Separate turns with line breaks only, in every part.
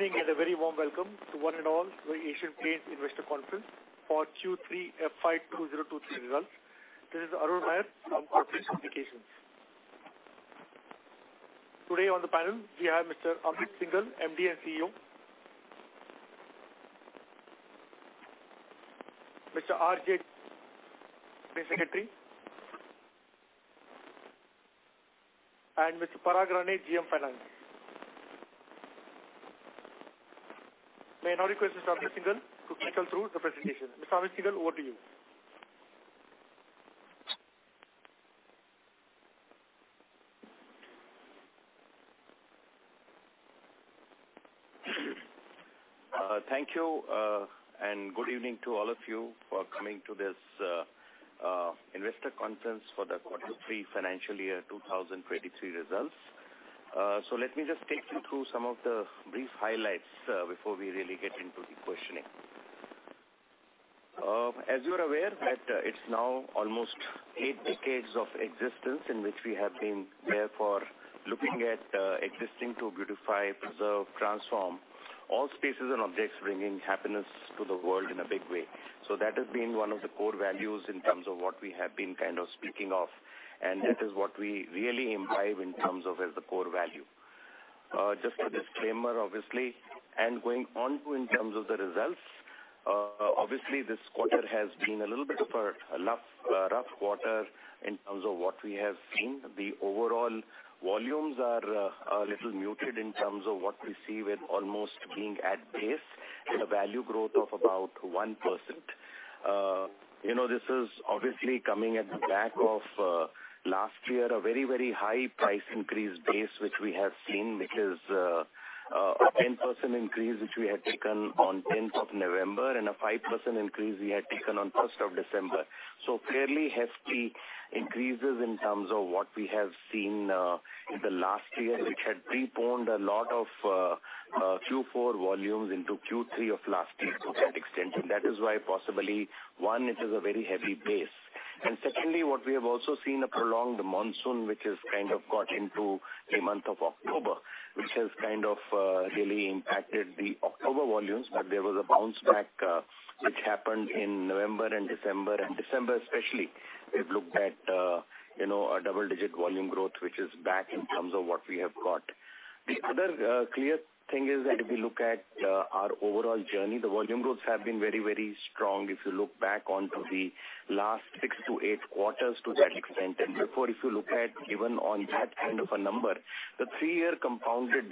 Evening and a very warm welcome to one and all to the Asian Paints Investor Conference for Q3 FY 2023 results. This is Arun Nair from Corporate Communications. Today on the panel we have Mr. Amit Syngle, MD and CEO, Mr. RJ, Company Secretary, and Mr. Parag Rane, GM Finance. May I now request Mr. Amit Syngle to take us through the presentation. Mr. Amit Syngle, over to you.
Thank you and good evening to all of you for coming to this investor conference for the quarter three financial year 2023 results. Let me just take you through some of the brief highlights, before we really get into the questioning. As you are aware that it's now almost eight decades of existence in which we have been there for looking at existing to beautify, preserve, transform all spaces and objects bringing happiness to the world in a big way. That has been one of the core values in terms of what we have been kind of speaking of, and that is what we really imbibe in terms of as the core value. Just a disclaimer, obviously. Going on to in terms of the results, obviously, this quarter has been a little bit of a rough quarter in terms of what we have seen. The overall volumes are little muted in terms of what we see with almost being at base and a value growth of about 1%. You know, this is obviously coming at the back of last year, a very, very high price increase base, which we have seen, which is a 10% increase, which we had taken on 10th of November and a 5% increase we had taken on 1st of December. Fairly hefty increases in terms of what we have seen in the last year, which had preponed a lot of Q4 volumes into Q3 of last year to that extent. That is why possibly, one, it is a very heavy base. Secondly, what we have also seen a prolonged monsoon, which has kind of got into the month of October, which has kind of really impacted the October volumes. There was a bounce back, which happened in November and December, and December especially, we've looked at, you know, a double-digit volume growth, which is back in terms of what we have got. The other clear thing is that if you look at our overall journey, the volume growths have been very, very strong. If you look back onto the last six to eight quarters to that extent, and before if you look at even on that kind of a number, the three-year compounded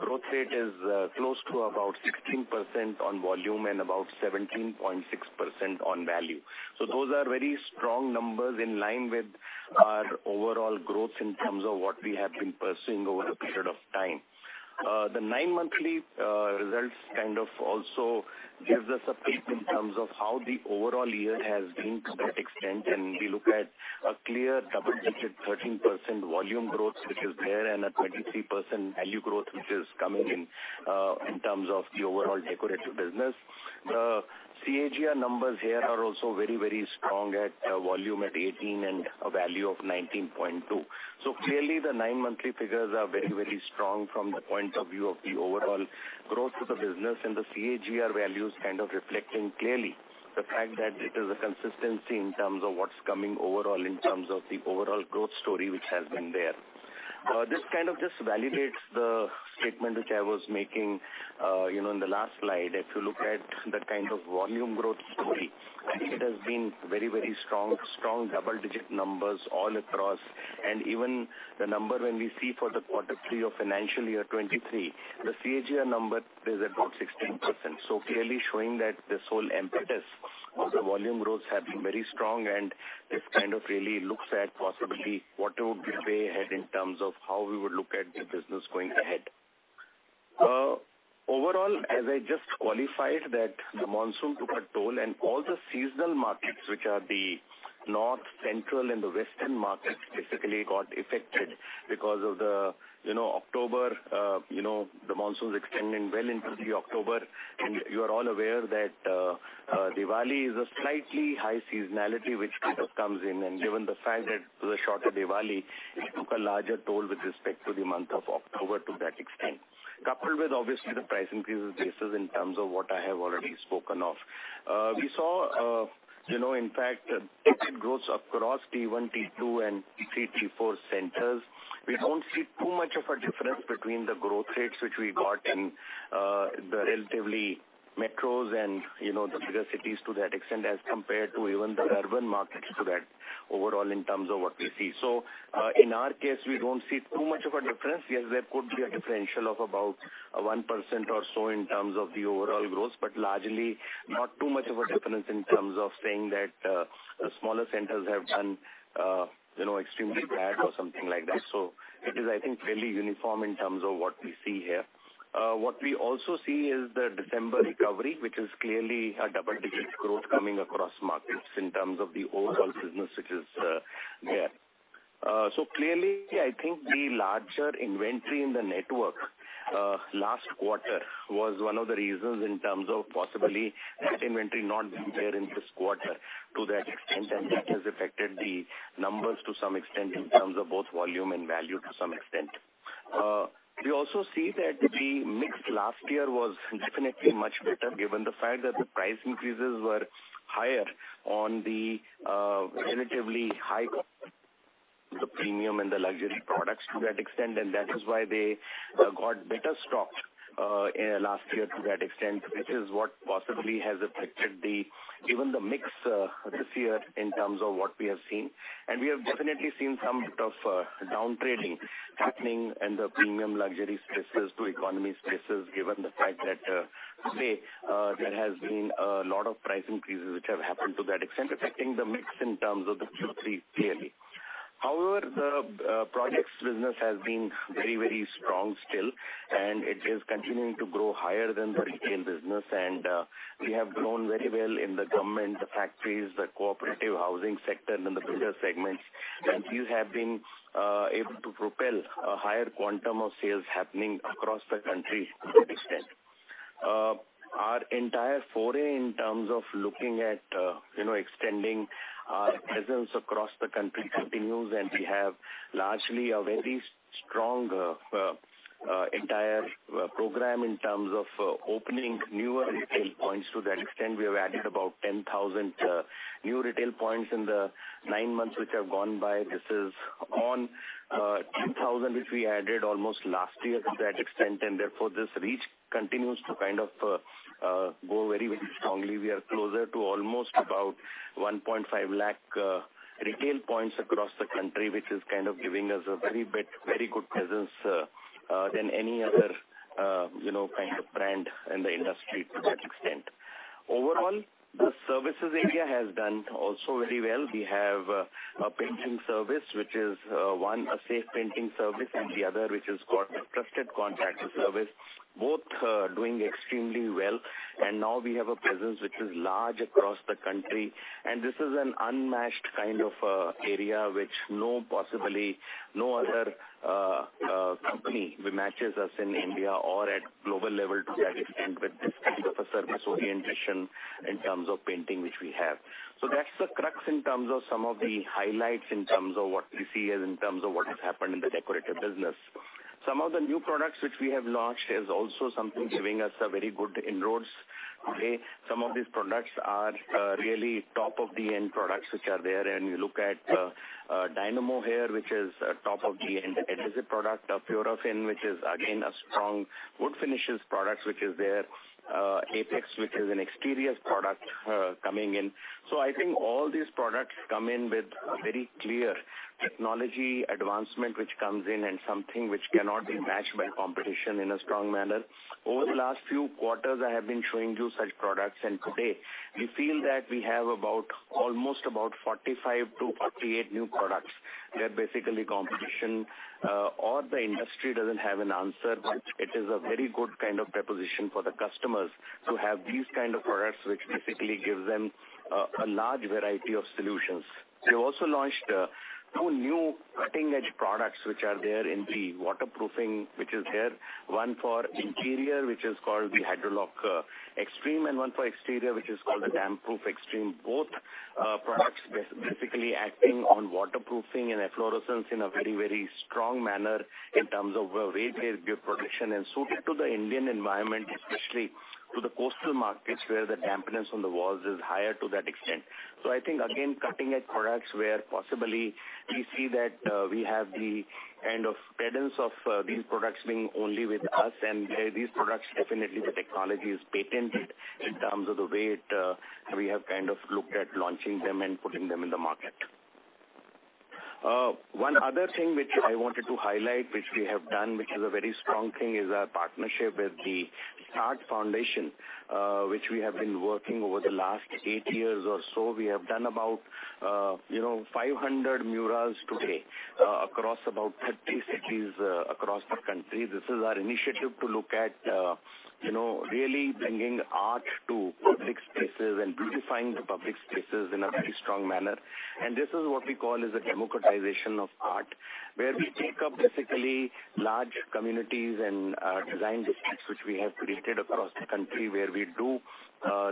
growth rate is close to about 16% on volume and about 17.6% on value. Those are very strong numbers in line with our overall growth in terms of what we have been pursuing over a period of time. The nine monthly results kind of also gives us a peek in terms of how the overall year has been to that extent. We look at a clear double-digit 13% volume growth, which is there, and a 23% value growth which is coming in in terms of the overall decorative business. The CAGR numbers here are also very, very strong at a volume at 18 and a value of 19.2. Clearly the nine monthly figures are very, very strong from the point of view of the overall growth of the business and the CAGR values kind of reflecting clearly the fact that it is a consistency in terms of what's coming overall in terms of the overall growth story which has been there. This kind of just validates the statement which I was making, you know, in the last slide. If you look at the kind of volume growth story, I think it has been very, very strong double-digit numbers all across. Even the number when we see for the quarter three of financial year 2023, the CAGR number is about 16%. Clearly showing that this whole impetus of the volume growth has been very strong and it kind of really looks at possibly what would be way ahead in terms of how we would look at the business going ahead. Overall, as I just qualified that the monsoon took a toll and all the seasonal markets, which are the north, central, and the western markets specifically got affected because of the, you know, October, you know, the monsoons extending well into the October. You are all aware that Diwali is a slightly high seasonality which kind of comes in. Given the fact that it was a shorter Diwali, it took a larger toll with respect to the month of October to that extent. Coupled with obviously the price increases basis in terms of what I have already spoken of. We saw, you know, in fact, ticket growth across T1, T2 and T3, T4 centers. We don't see too much of a difference between the growth rates which we got in the relatively metros and you know, the bigger cities to that extent as compared to even the urban markets to that overall in terms of what we see. In our case, we don't see too much of a difference. Yes, there could be a differential of about 1% or so in terms of the overall growth, but largely not too much of a difference in terms of saying that smaller centers have done, you know, extremely bad or something like that. It is, I think, fairly uniform in terms of what we see here. What we also see is the December recovery, which is clearly a double-digit growth coming across markets in terms of the overall business which is there. Clearly, I think the larger inventory in the network last quarter was one of the reasons in terms of possibly that inventory not being there in this quarter to that extent, and that has affected the numbers to some extent in terms of both volume and value to some extent. We also see that the mix last year was definitely much better given the fact that the price increases were higher on the relatively high the premium and the luxury products to that extent. That is why they got better stocked last year to that extent, which is what possibly has affected even the mix this year in terms of what we have seen. We have definitely seen some bit of downtrading happening in the premium luxury spaces to economy spaces, given the fact that today there has been a lot of price increases which have happened to that extent, affecting the mix in terms of the Q3 clearly. However, the products business has been very, very strong still, and it is continuing to grow higher than the retail business. We have grown very well in the government, the factories, the cooperative housing sector and in the builder segments. We have been able to propel a higher quantum of sales happening across the country to that extent. Our entire foray in terms of looking at, you know, extending our presence across the country continues. We have largely a very strong entire program in terms of opening newer retail points. To that extent, we have added about 10,000 new retail points in the nine months which have gone by. This is on 10,000 which we added almost last year to that extent. Therefore, this reach continues to kind of grow very, very strongly. We are closer to almost about 1.5 lakh retail points across the country, which is kind of giving us a very good presence than any other, you know, kind of brand in the industry to that extent. Overall, the services area has done also very well. We have a painting service, which is, one, a Safe Painting Service, and the other which is called Trusted Contractor Service, both doing extremely well. Now we have a presence which is large across the country, and this is an unmatched kind of area which no possibly, no other company matches us in India or at global level to that extent with this kind of a service orientation in terms of painting, which we have. That's the crux in terms of some of the highlights, in terms of what we see as in terms of what has happened in the decorative business. Some of the new products which we have launched is also something giving us a very good inroads today. Some of these products are really top of the end products which are there. You look at Dynamo here, which is a top of the end adhesive product. Purafin, which is again a strong wood finishes product, which is there. Apex, which is an exteriors product, coming in. I think all these products come in with a very clear technology advancement which comes in and something which cannot be matched by competition in a strong manner. Over the last few quarters, I have been showing you such products, and today we feel that we have about, almost about 45-48 new products where basically competition, or the industry doesn't have an answer. It is a very good kind of proposition for the customers to have these kind of products, which basically gives them a large variety of solutions. We've also launched, two new cutting-edge products which are there in the waterproofing, which is here, one for interior, which is called the Hydroloc Xtreme, and one for exterior, which is called the Damp Proof Xtreme. Both products basically acting on waterproofing and efflorescence in a very, very strong manner in terms of weight-bearing build protection and suited to the Indian environment, especially to the coastal markets, where the dampness on the walls is higher to that extent. I think again, cutting-edge products where possibly we see that, we have the kind of credence of, these products being only with us. These products, definitely the technology is patented in terms of the way it, we have kind of looked at launching them and putting them in the market. One other thing which I wanted to highlight, which we have done, which is a very strong thing, is our partnership with the St+art India Foundation, which we have been working over the last eight years or so. We have done about, you know, 500 murals today, across about 30 cities, across the country. This is our initiative to look at, you know, really bringing art to public spaces and beautifying the public spaces in a very strong manner. This is what we call as a democratization of art, where we take up basically large communities and design districts which we have created across the country, where we do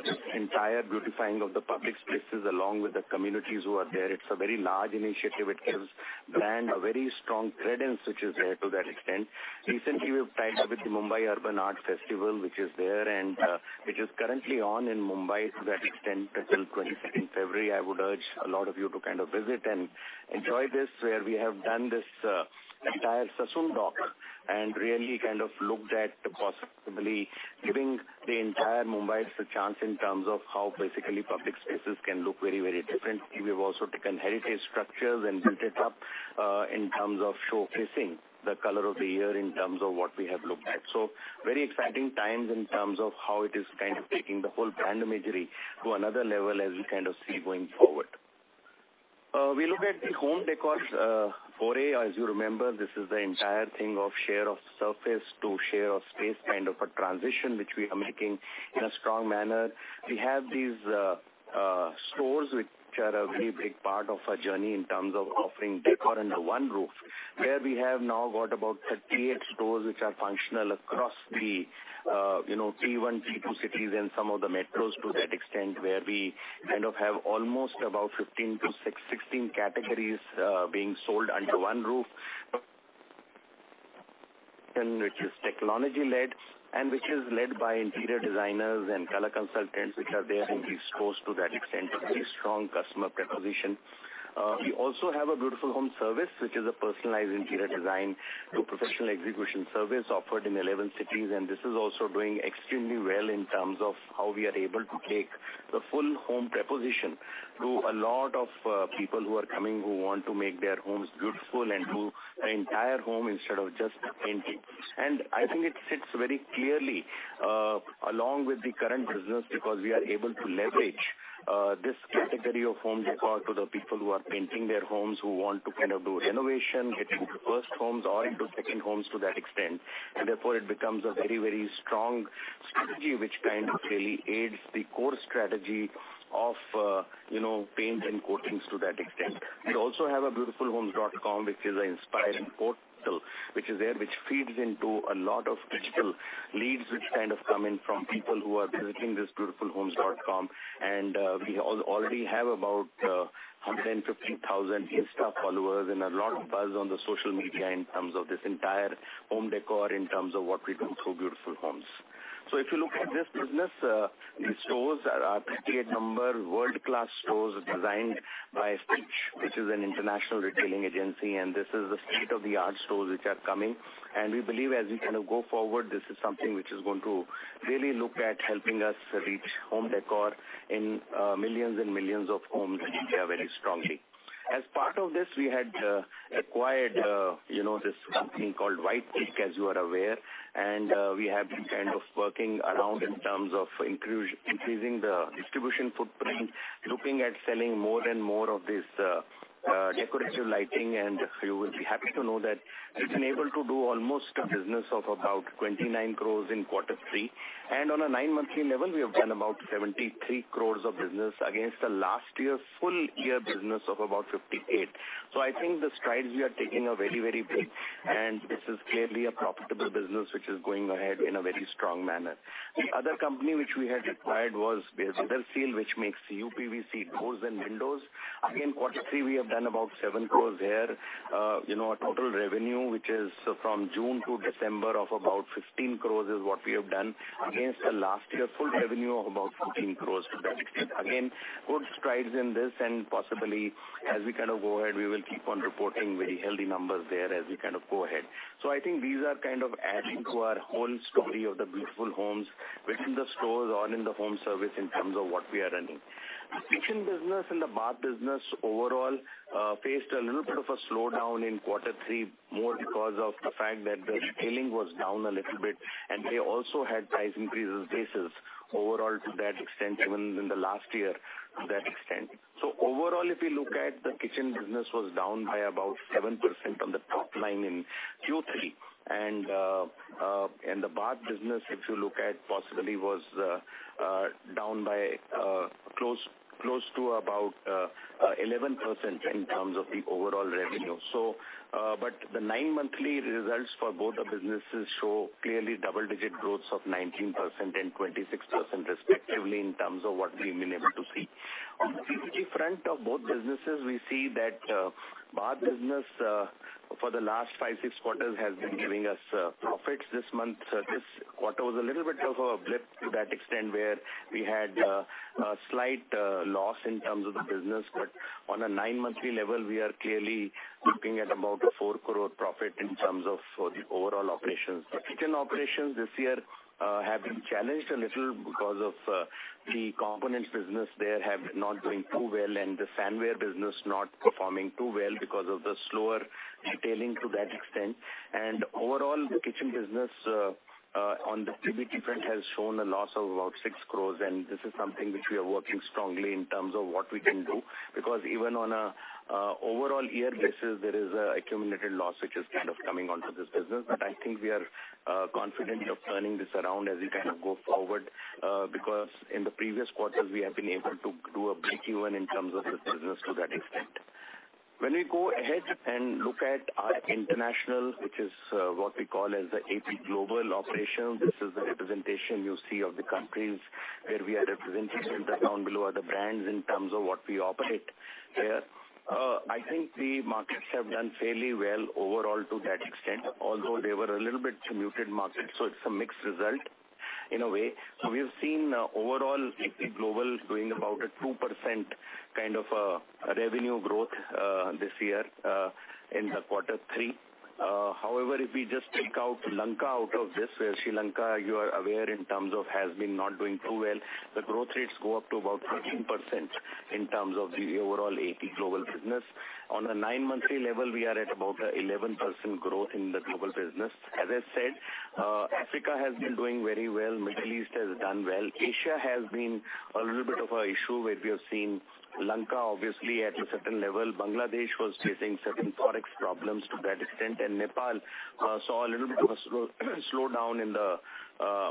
this entire beautifying of the public spaces along with the communities who are there. It's a very large initiative. It gives brand a very strong credence which is there to that extent. Recently we've tied up with the Mumbai Urban Art Festival, which is there and, which is currently on in Mumbai to that extent, till 22nd February. I would urge a lot of you to kind of visit and enjoy this, where we have done this entire Sassoon Dock and really kind of looked at possibly giving the entire Mumbai a chance in terms of how basically public spaces can look very, very different. We've also taken heritage structures and built it up in terms of showcasing the color of the year in terms of what we have looked at. Very exciting times in terms of how it is kind of taking the whole brand imagery to another level as we kind of see going forward. We look at the home decor foray. As you remember, this is the entire thing of share of surface to share of space, kind of a transition which we are making in a strong manner. We have these stores which are a very big part of our journey in terms of offering decor under one roof. We have now got about 38 stores which are functional across the, you know, T1, T2 cities and some of the metros to that extent, where we kind of have almost about 15-16 categories being sold under one roof. Which is technology-led, and which is led by interior designers and color consultants which are there in these stores to that extent, a very strong customer proposition. We also have a Beautiful Homes Service, which is a personalized interior design to professional execution service offered in 11 cities. This is also doing extremely well in terms of how we are able to take the full home proposition to a lot of people who are coming who want to make their homes beautiful and do the entire home instead of just painting. I think it fits very clearly along with the current business, because we are able to leverage this category of home decor to the people who are painting their homes, who want to kind of do renovation, be it to first homes or into second homes to that extent. Therefore, it becomes a very, very strong strategy which kind of really aids the core strategy of, you know, paint and coatings to that extent. We also have a beautifulhomes.com which is an inspiring portal, which is there, which feeds into a lot of digital leads which kind of come in from people who are visiting this beautifulhomes.com. We already have about 150,000 Insta followers and a lot of buzz on the social media in terms of this entire home decor, in terms of what we do through Beautiful Homes. If you look at this business, the stores are pretty a number world-class stores designed by Switch, which is an international retailing agency, and this is the state-of-the-art stores which are coming. We believe as we kind of go forward, this is something which is going to really look at helping us reach home decor in millions and millions of homes in India very strongly. As part of this, we had acquired, you know, this company called White Teak, as you are aware. We have been kind of working around in terms of increasing the distribution footprint, looking at selling more and more of this decorative lighting. You will be happy to know that it's been able to do almost a business of about 29 crores in quarter three. On a nine monthly level, we have done about 73 crores of business against the last year full year business of about 58 crores. I think the strides we are taking are very, very big, and this is clearly a profitable business which is going ahead in a very strong manner. The other company which we had acquired was Weatherseal, which makes UPVC doors and windows. Again, quarter three we have done about 7 crores there. You know, our total revenue, which is from June-December of about 15 crores, is what we have done against the last year full revenue of about 14 crores to that extent. Again, good strides in this and possibly as we kind of go ahead, we will keep on reporting very healthy numbers there as we kind of go ahead. I think these are kind of adding to our home story of the Beautiful Homes within the stores or in the Beautiful Homes Service in terms of what we are running. The kitchen business and the bath business overall faced a little bit of a slowdown in quarter three, more because of the fact that the retailing was down a little bit and they also had price increases basis overall to that extent, even in the last year to that extent. Overall, if you look at the kitchen business was down by about 7% on the top line in Q3. The bath business, if you look at possibly was down by close to about 11% in terms of the overall revenue. The nine monthly results for both the businesses show clearly double-digit growth of 19% and 26% respectively in terms of what we've been able to see. On the PBT front of both businesses, we see that bath business for the last five, six quarters has been giving us profits this month. This quarter was a little bit of a blip to that extent, where we had a slight loss in terms of the business. On a nine monthly level we are clearly looking at about a 4 crore profit in terms of the overall operations. The kitchen operations this year have been challenged a little because of the components business there have not been doing too well, and the sanitaryware business not performing too well because of the slower retailing to that extent. Overall, the kitchen business on the PBT front has shown a loss of about 6 crores. This is something which we are working strongly in terms of what we can do, because even on a overall year basis, there is a accumulated loss which is kind of coming onto this business. I think we are confident of turning this around as we kind of go forward because in the previous quarters we have been able to do a breakeven in terms of this business to that extent. When we go ahead and look at our international, which is what we call as the AP Global operation, this is the representation you see of the countries where we are represented, and down below are the brands in terms of what we operate there. I think the markets have done fairly well overall to that extent, although they were a little bit muted markets, so it's a mixed result in a way. We have seen overall AP Global doing about a 2% kind of a revenue growth this year in the quarter three. However, if we just take out Lanka out of this, where Sri Lanka, you are aware in terms of has been not doing too well. The growth rates go up to about 13% in terms of the overall AP Global business. On a nine monthly level, we are at about 11% growth in the global business. As I said, Africa has been doing very well, Middle East has done well. Asia has been a little bit of a issue where we have seen Lanka obviously at a certain level. Bangladesh was facing certain Forex problems to that extent, Nepal saw a little bit of a slowdown in the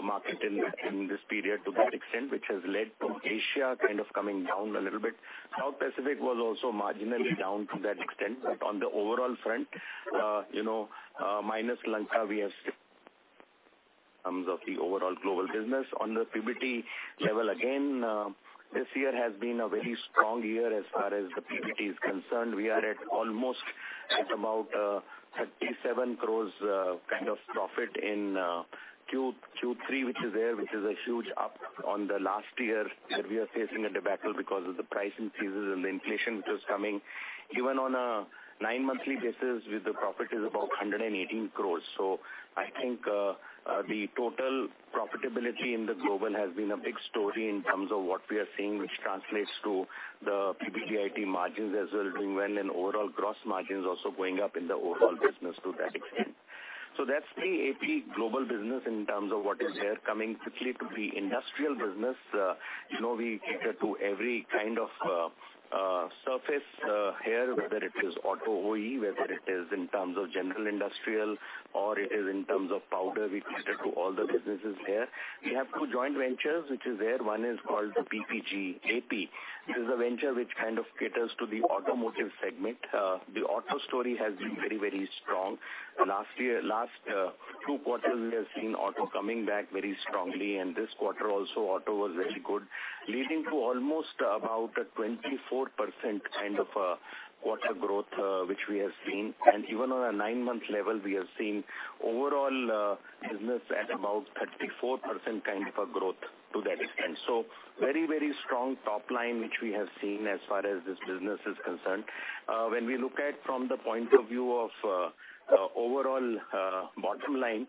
market in this period to that extent, which has led to Asia kind of coming down a little bit. South Pacific was also marginally down to that extent. On the overall front, you know, minus Lanka, we have seenTerms of the overall global business. On the PBT level, again, this year has been a very strong year as far as the PBT is concerned. We are at almost at about 37 crores, kind of profit in Q3, which is there, which is a huge up on the last year that we are facing a debacle because of the price increases and the inflation which was coming even on a nine monthly basis with the profit is above 118 crores. I think, the total profitability in the global has been a big story in terms of what we are seeing, which translates to the PBTIT margins as well, doing well and overall gross margins also going up in the overall business to that extent. That's the AP Global business in terms of what is here. Coming quickly to the industrial business, you know, we cater to every kind of surface here, whether it is auto OE, whether it is in terms of general industrial or it is in terms of powder. We cater to all the businesses here. We have two joint ventures which is there. One is called the PPG AP. This is a venture which kind of caters to the automotive segment. The auto story has been very, very strong. Last year, last two quarters, we have seen auto coming back very strongly. This quarter also auto was very good, leading to almost about a 24% kind of a quarter growth which we have seen. Even on a nine-month level we have seen overall business at about 34% kind of a growth to that extent. Very, very strong top line which we have seen as far as this business is concerned. When we look at from the point of view of overall bottom line,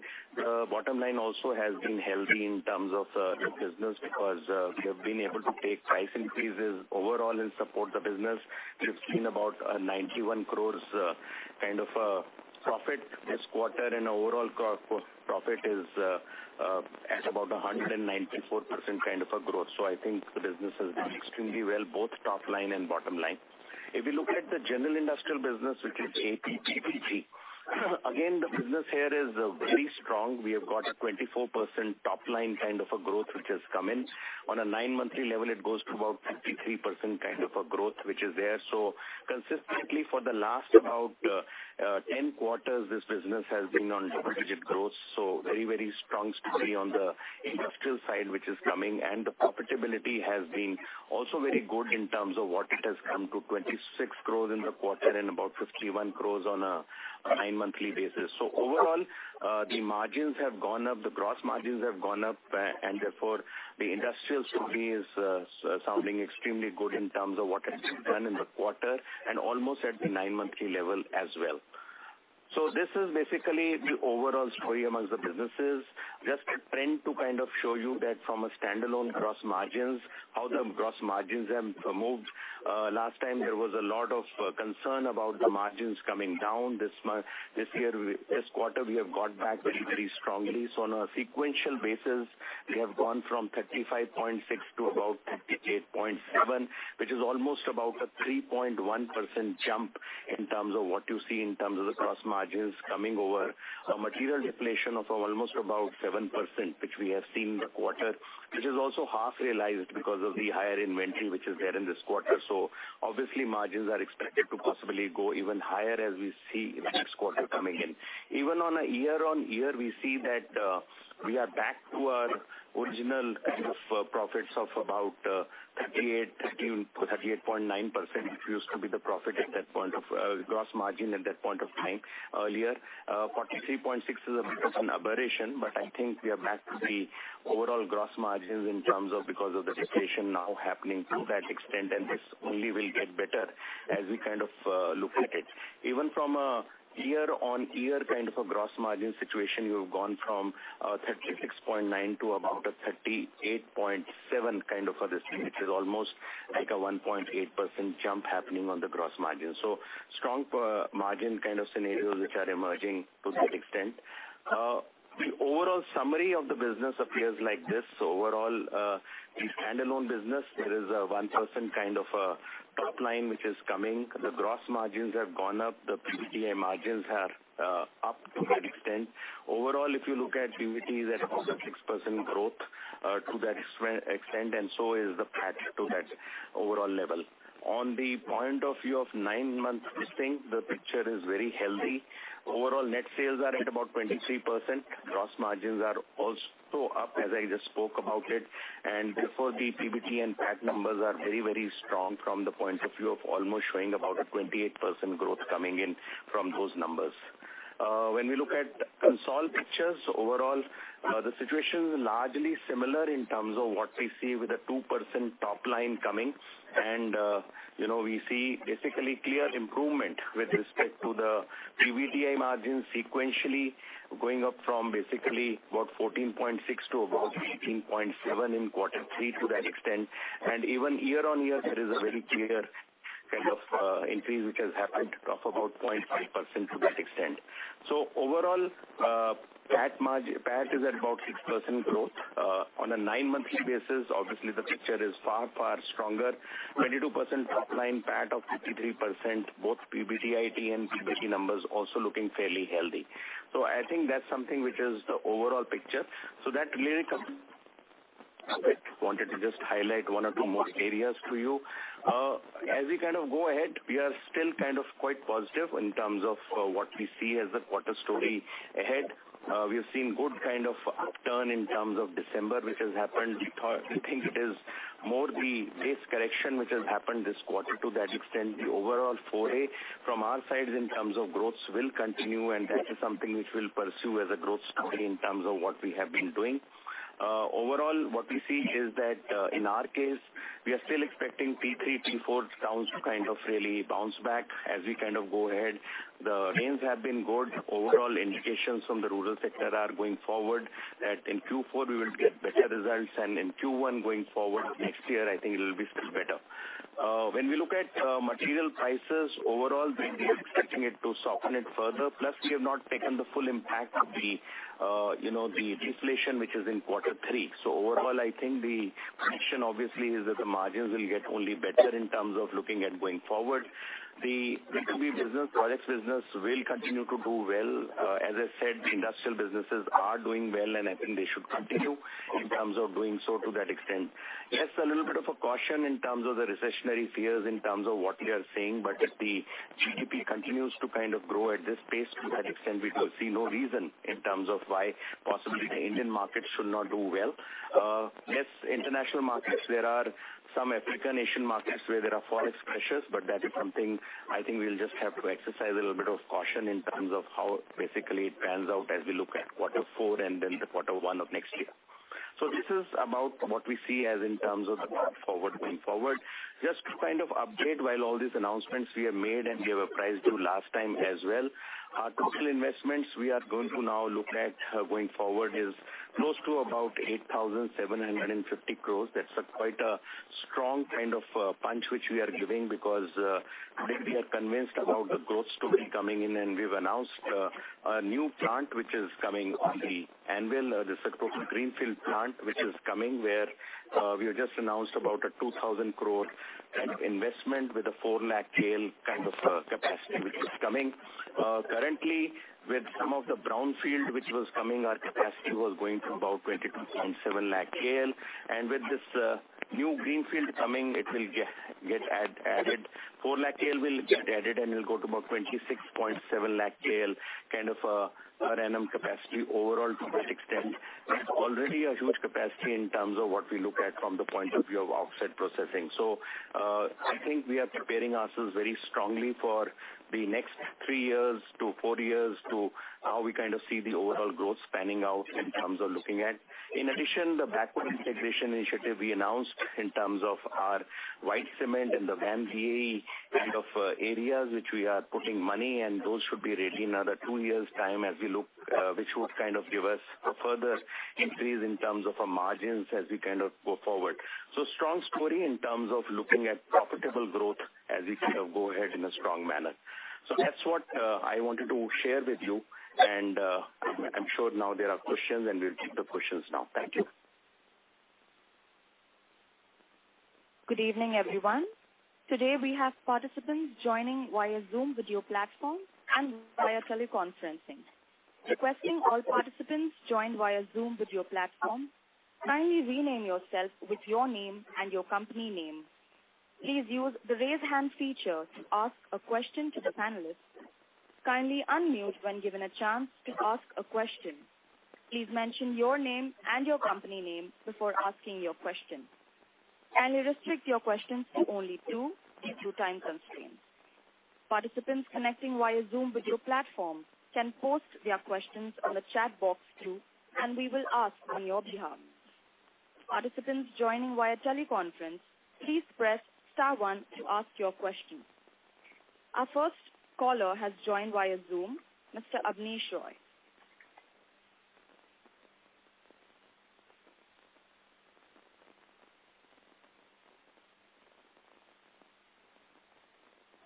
bottom line also has been healthy in terms of the business because we have been able to take price increases overall and support the business. We've seen about 91 crores kind of a profit this quarter and overall profit is at about a 194% kind of a growth. I think the business has done extremely well, both top line and bottom line. If you look at the general industrial business, which is AP PPG, again, the business here is very strong. We have got a 24% top line kind of a growth which has come in. On a nine monthly level, it goes to about 53% kind of a growth which is there. Consistently for the last about 10 quarters, this business has been on double-digit growth. Very, very strong story on the industrial side which is coming. The profitability has been also very good in terms of what it has come to, 26 crores in the quarter and about 51 crores on a nine monthly basis. Overall, the margins have gone up, the gross margins have gone up and therefore the industrial story is sounding extremely good in terms of what has been done in the quarter and almost at the 9 monthly level as well. This is basically the overall story amongst the businesses. Just a trend to kind of show you that from a standalone gross margins, how the gross margins have moved. Last time there was a lot of concern about the margins coming down. This quarter we have got back very strongly. On a sequential basis, we have gone from 35.6 to about 58.7, which is almost about a 3.1% jump in terms of what you see in terms of the gross margins coming over a material deflation of almost about 7%, which we have seen in the quarter, which is also half realized because of the higher inventory which is there in this quarter. Obviously margins are expected to possibly go even higher as we see the next quarter coming in. Even on a year-on-year, we see that we are back to our original kind of profits of about 38.9%, which used to be the profit at that point of gross margin at that point of time earlier. 43.6% is a bit of an aberration, but I think we are back to the overall gross margins in terms of because of the deflation now happening to that extent. This only will get better as we kind of look at it. Even from a year-on-year kind of a gross margin situation, you have gone from 36.9% to about a 38.7% kind of a distance, which is almost like a 1.8% jump happening on the gross margin. Strong per margin kind of scenarios which are emerging to that extent. The overall summary of the business appears like this. Overall, the standalone business, there is a 1% kind of a top line which is coming. The gross margins have gone up. The PBTIA margins are up to that extent. Overall, if you look at PBT is at about a 6% growth to that extent, and so is the PAT to that overall level. On the point of view of nine months listing, the picture is very healthy. Overall net sales are at about 23%. Gross margins are also up as I just spoke about it. Therefore the PBT and PAT numbers are very, very strong from the point of view of almost showing about a 28% growth coming in from those numbers. When we look at consolidated pictures overall, the situation is largely similar in terms of what we see with a 2% top line coming. You know, we see basically clear improvement with respect to the PBIT margins sequentially going up from basically about 14.6 to about 18.7 in Q3 to that extent. Even year-on-year there is a very clear kind of, increase which has happened of about 0.5% to that extent. Overall, PAT is at about 6% growth on a nine-monthly basis, obviously the picture is far, far stronger. 22% top line PAT of 53%, both PBTIT and PBT numbers also looking fairly healthy. I think that's something which is the overall picture. That really I wanted to just highlight one or two more areas to you. As we kind of go ahead, we are still kind of quite positive in terms of what we see as the quarter story ahead. We have seen good kind of upturn in terms of December, which has happened. We think it is more the base correction which has happened this quarter. To that extent, the overall foray from our side in terms of growth will continue, and that is something which we'll pursue as a growth story in terms of what we have been doing. Overall, what we see is that in our case, we are still expecting T3, T4 towns to kind of really bounce back as we kind of go ahead. The rains have been good. Overall indications from the rural sector are going forward, that in Q4 we will get better results, and in Q1 going forward next year, I think it'll be still better. When we look at material prices overall, we'll be expecting it to soften it further. We have not taken the full impact of the, you know, the deflation which is in quarter three. Overall, I think the prediction obviously is that the margins will get only better in terms of looking at going forward. The B2B business, products business will continue to do well. As I said, the industrial businesses are doing well, I think they should continue in terms of doing so to that extent. Yes, a little bit of a caution in terms of the recessionary fears, in terms of what we are seeing. If the GDP continues to kind of grow at this pace, to that extent, we could see no reason in terms of why possibly the Indian market should not do well. Yes, international markets, there are some African Asian markets where there are forex pressures. That is something I think we'll just have to exercise a little bit of caution in terms of how basically it pans out as we look at quarter four and then the quarter one of next year. This is about what we see as in terms of the path forward going forward. Just to kind of update, while all these announcements we have made and we have appraised you last time as well, our total investments we are going to now look at going forward is close to about 8,750 crores. That's a quite a strong kind of punch which we are giving because we are convinced about the growth story coming in. We've announced a new plant which is coming on the anvil. This is a total greenfield plant which is coming where we have just announced about a 2,000 crore kind of investment with a 4 lakh KL kind of capacity which is coming. Currently with some of the brownfield which was coming, our capacity was going to about 22.7 lakh KL. With this new greenfield coming, it will get added. 4 lakh KL will get added, and it'll go to about 26.7 lakh KL, kind of annum capacity. Overall, to that extent, that's already a huge capacity in terms of what we look at from the point of view of offset processing. I think we are preparing ourselves very strongly for the next three years to four years to how we kind of see the overall growth spanning out in terms of looking at. In addition, the backward integration initiative we announced in terms of our white cement and the VAM-VAE kind of areas which we are putting money, and those should be ready in another two years' time as we look, which would kind of give us a further increase in terms of our margins as we kind of go forward. Strong story in terms of looking at profitable growth as we kind of go ahead in a strong manner. That's what I wanted to share with you. I'm sure now there are questions, and we'll take the questions now. Thank you.
Good evening, everyone. Today, we have participants joining via Zoom video platform and via teleconferencing. Requesting all participants joined via Zoom video platform, kindly rename yourself with your name and your company name. Please use the Raise Hand feature to ask a question to the panelists. Kindly unmute when given a chance to ask a question. Please mention your name and your company name before asking your question. Kindly restrict your questions to only two due to time constraints. Participants connecting via Zoom video platform can post their questions on the chat box too, and we will ask on your behalf. Participants joining via teleconference, please press star one to ask your question. Our first caller has joined via Zoom, Mr. Abneesh Roy.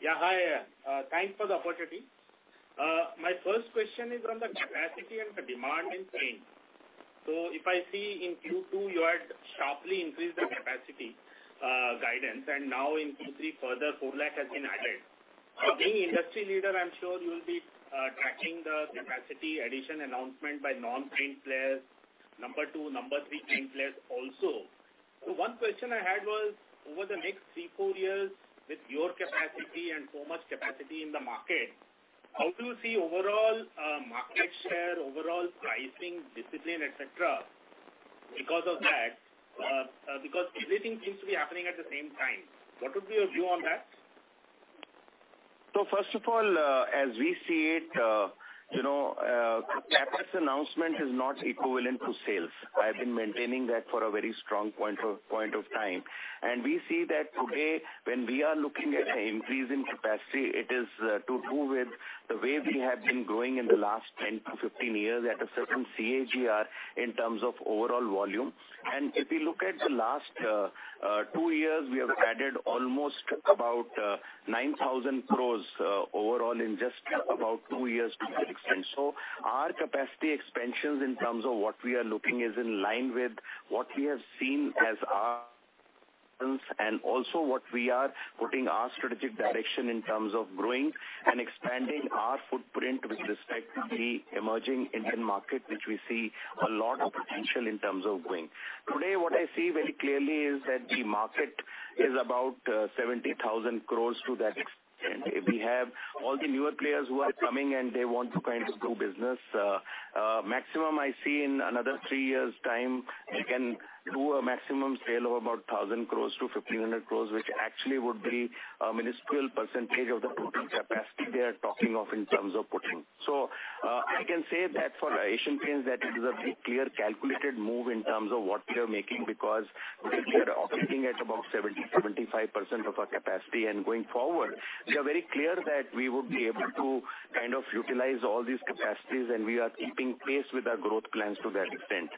Yeah, hi. Thanks for the opportunity. My first question is on the capacity and the demand in paint. If I see in Q2, you had sharply increased the capacity guidance, and now in Q3, further 4 lakh has been added. Being industry leader, I'm sure you'll be tracking the capacity addition announcement by non-paint players, number two, number three paint players also. One question I had was, over the next three, four years with your capacity and so much capacity in the market, how do you see overall market share, overall pricing discipline, et cetera, because of that? Because everything seems to be happening at the same time. What would be your view on that?
First of all, as we see it, you know, capacity announcement is not equivalent to sales. I've been maintaining that for a very strong point of time. We see that today, when we are looking at an increase in capacity, it is to do with the way we have been growing in the last 10-15 years at a certain CAGR in terms of overall volume. If you look at the last two years, we have added almost about 9,000 crores overall in just about two years to that extent. Our capacity expansions in terms of what we are looking is in line with what we have seen as ourAnd also what we are putting our strategic direction in terms of growing and expanding our footprint with respect to the emerging Indian market, which we see a lot of potential in terms of growing. Today, what I see very clearly is that the market is about 70,000 crores to that extent. We have all the newer players who are coming, and they want to kind of do business. maximum I see in another three years' time, they can do a maximum sale of about 1,000 crores to 1,500 crores, which actually would be a minuscule percentage of the total capacity they are talking of in terms of putting. I can say that for Asian Paints that it is a very clear calculated move in terms of what we are making, because today we are operating at about 70%, 75% of our capacity. Going forward, we are very clear that we would be able to kind of utilize all these capacities, and we are keeping pace with our growth plans to that extent.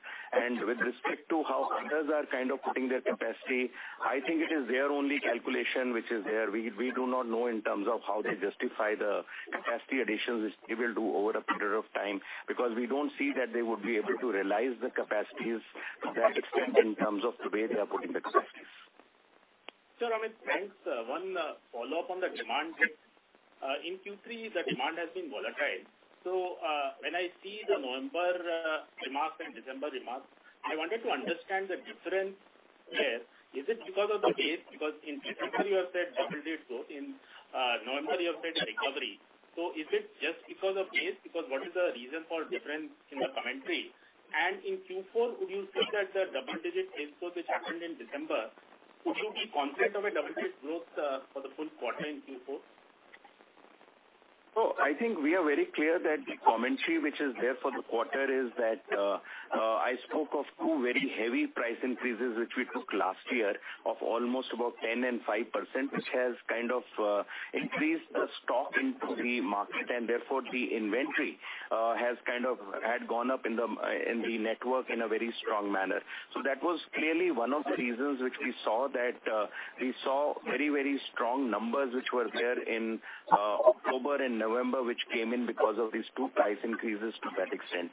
With respect to how others are kind of putting their capacity, I think it is their only calculation which is there. We do not know in terms of how they justify the capacity additions which they will do over a period of time, because we don't see that they would be able to realize the capacities to that extent in terms of the way they are putting the capacities.
Sir Amit, thanks. One, follow-up on the demand bit. In Q3 the demand has been volatile. When I see the November remarks and December remarks, I wanted to understand the difference there. Is it because of the base? In September you have said double-digit growth. In November you have said recovery. Is it just because of base? What is the reason for difference in your commentary? In Q4, would you say that the double-digit pace growth which happened in December, would you be confident of a double-digit growth for the full quarter in Q4?
I think we are very clear that the commentary which is there for the quarter is that, I spoke of two very heavy price increases which we took last year of almost about 10% and 5%, which has kind of increased the stock into the market. Therefore the inventory has kind of had gone up in the network in a very strong manner. That was clearly one of the reasons which we saw that, we saw very, very strong numbers which were there in October and November, which came in because of these two price increases to that extent.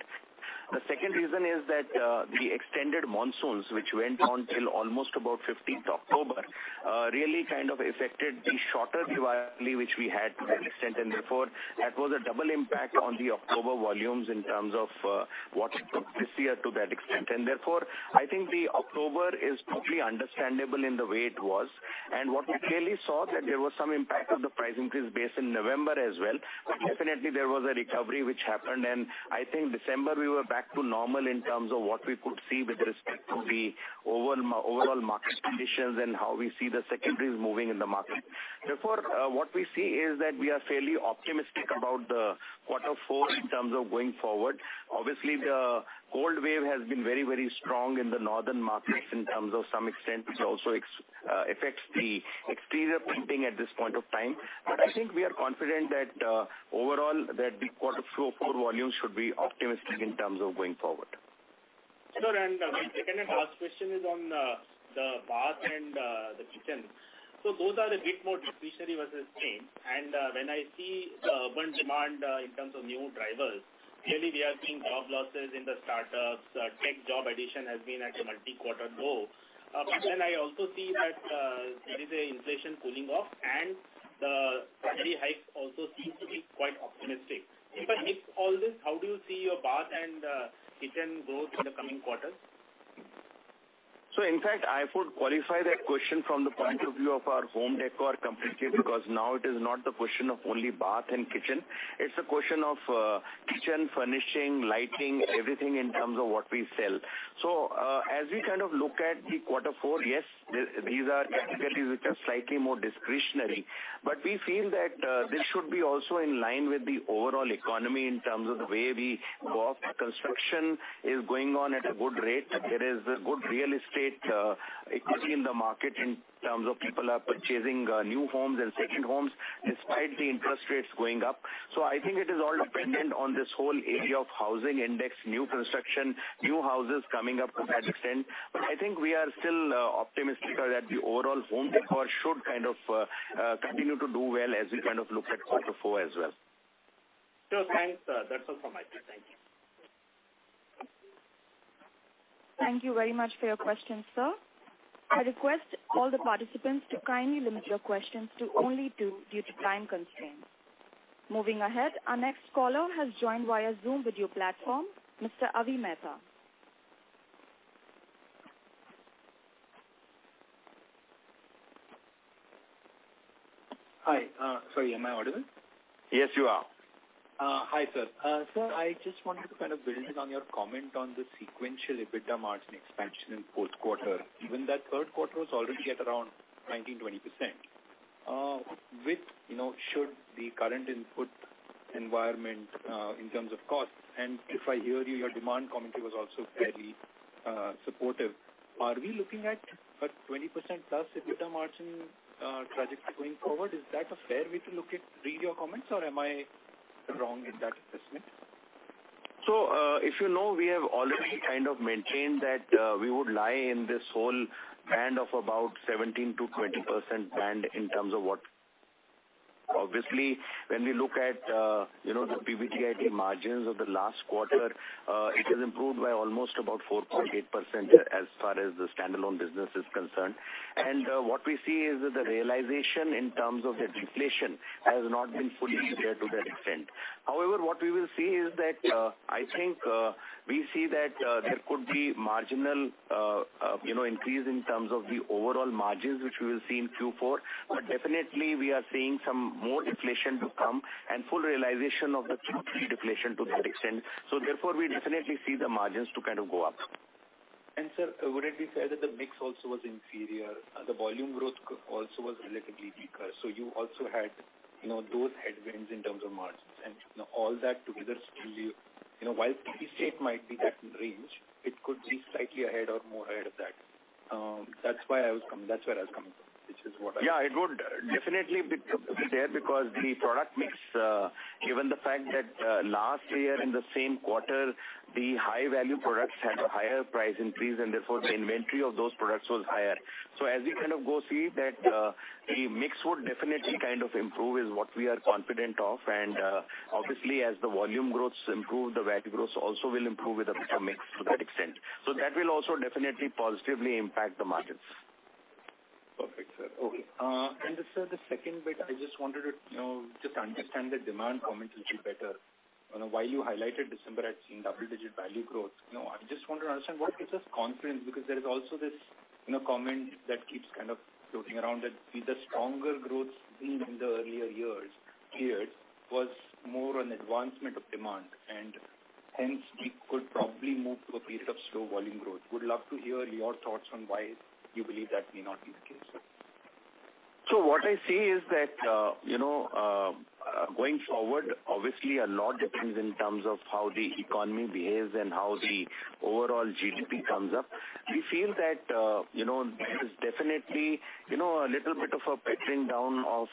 The second reason is that, the extended monsoons which went on till almost about 15th October, really kind of affected the shorter Diwali which we had to that extent. Therefore that was a double impact on the October volumes in terms of what we took this year to that extent. Therefore I think the October is totally understandable in the way it was. What we clearly saw that there was some impact of the price increase base in November as well. Definitely there was a recovery which happened. I think December we were back to normal in terms of what we could see with respect to the overall market conditions and how we see the secondaries moving in the market. Therefore, what we see is that we are fairly optimistic about the quarter four in terms of going forward. Obviously the cold wave has been very, very strong in the northern markets in terms of some extent which also affects the exterior painting at this point of time. I think we are confident that overall that the quarter four volumes should be optimistic in terms of going forward.
Sure. My second and last question is on the bath and the kitchen. Those are a bit more discretionary versus paint. When I see urban demand, in terms of new drivers, clearly we are seeing job losses in the startups. Tech job addition has been at a multi-quarter low. I also see that there is a inflation cooling off and the salary hike also seems to be quite optimistic. If I mix all this, how do you see your bath and kitchen growth in the coming quarters?
In fact I would qualify that question from the point of view of our home decor completely because now it is not the question of only bath and kitchen. It's a question of kitchen furnishing, lighting, everything in terms of what we sell. As we kind of look at the quarter four, yes, these are categories which are slightly more discretionary, but we feel that this should be also in line with the overall economy in terms of the way we work. Construction is going on at a good rate. There is a good real estate equity in the market in terms of people are purchasing new homes and second homes despite the interest rates going up. I think it is all dependent on this whole area of housing index, new construction, new houses coming up to that extent. I think we are still optimistic that the overall home decor should kind of continue to do well as we kind of look at quarter four as well.
Sure. Thanks. That's all from my side. Thank you.
Thank you very much for your question, sir. I request all the participants to kindly limit your questions to only two due to time constraints. Moving ahead, our next caller has joined via Zoom video platform. Mr. Avi Mehta.
Hi. Sorry am I audible?
Yes you are.
Hi sir. I just wanted to kind of build on your comment on the sequential EBITDA margin expansion in fourth quarter. Given that third quarter was already at around 19%-20%, with, you know, should the current input environment in terms of costs and if I hear you, your demand commentary was also fairly supportive, are we looking at a 20%+ EBITDA margin trajectory going forward? Is that a fair way to look at, read your comments or am I wrong in that assessment?
If you know we have already kind of maintained that we would lie in this whole band of about 17%-20% band in terms of. Obviously, when we look at, you know, the PBDIT margins of the last quarter, it has improved by almost about 4.8% as far as the standalone business is concerned. What we see is that the realization in terms of the deflation has not been fully there to that extent. However, what we will see is that, I think, we see that there could be marginal, you know, increase in terms of the overall margins, which we will see in Q4. Definitely we are seeing some more deflation to come and full realization of the Q3 deflation to that extent. Therefore we definitely see the margins to kind of go up.
Sir, would it be fair that the mix also was inferior? The volume growth also was relatively weaker. You also had, you know, those headwinds in terms of margins. All that together still, you know, while 58 might be that range, it could be slightly ahead or more ahead of that. That's where I was coming from, which is what I-
Yeah, it would definitely be there because the product mix, given the fact that, last year in the same quarter, the high value products had higher price increase and therefore the inventory of those products was higher. As we kind of go see that, the mix would definitely kind of improve is what we are confident of. Obviously as the volume growths improve, the value growth also will improve with the mix to that extent. That will also definitely positively impact the margins.
Perfect, sir. Okay. Sir, the second bit, I just wanted to, you know, just understand the demand comments a little better. I don't know why you highlighted December had seen double-digit value growth. You know, I just want to understand what gives us confidence, because there is also this, you know, comment that keeps kind of floating around that the stronger growth seen in the earlier years was more an advancement of demand, and hence we could probably move to a period of slow volume growth. Would love to hear your thoughts on why you believe that may not be the case, sir.
What I say is that, you know, going forward, obviously a lot depends in terms of how the economy behaves and how the overall GDP comes up. We feel that, you know, there is definitely, you know, a little bit of a pattering down of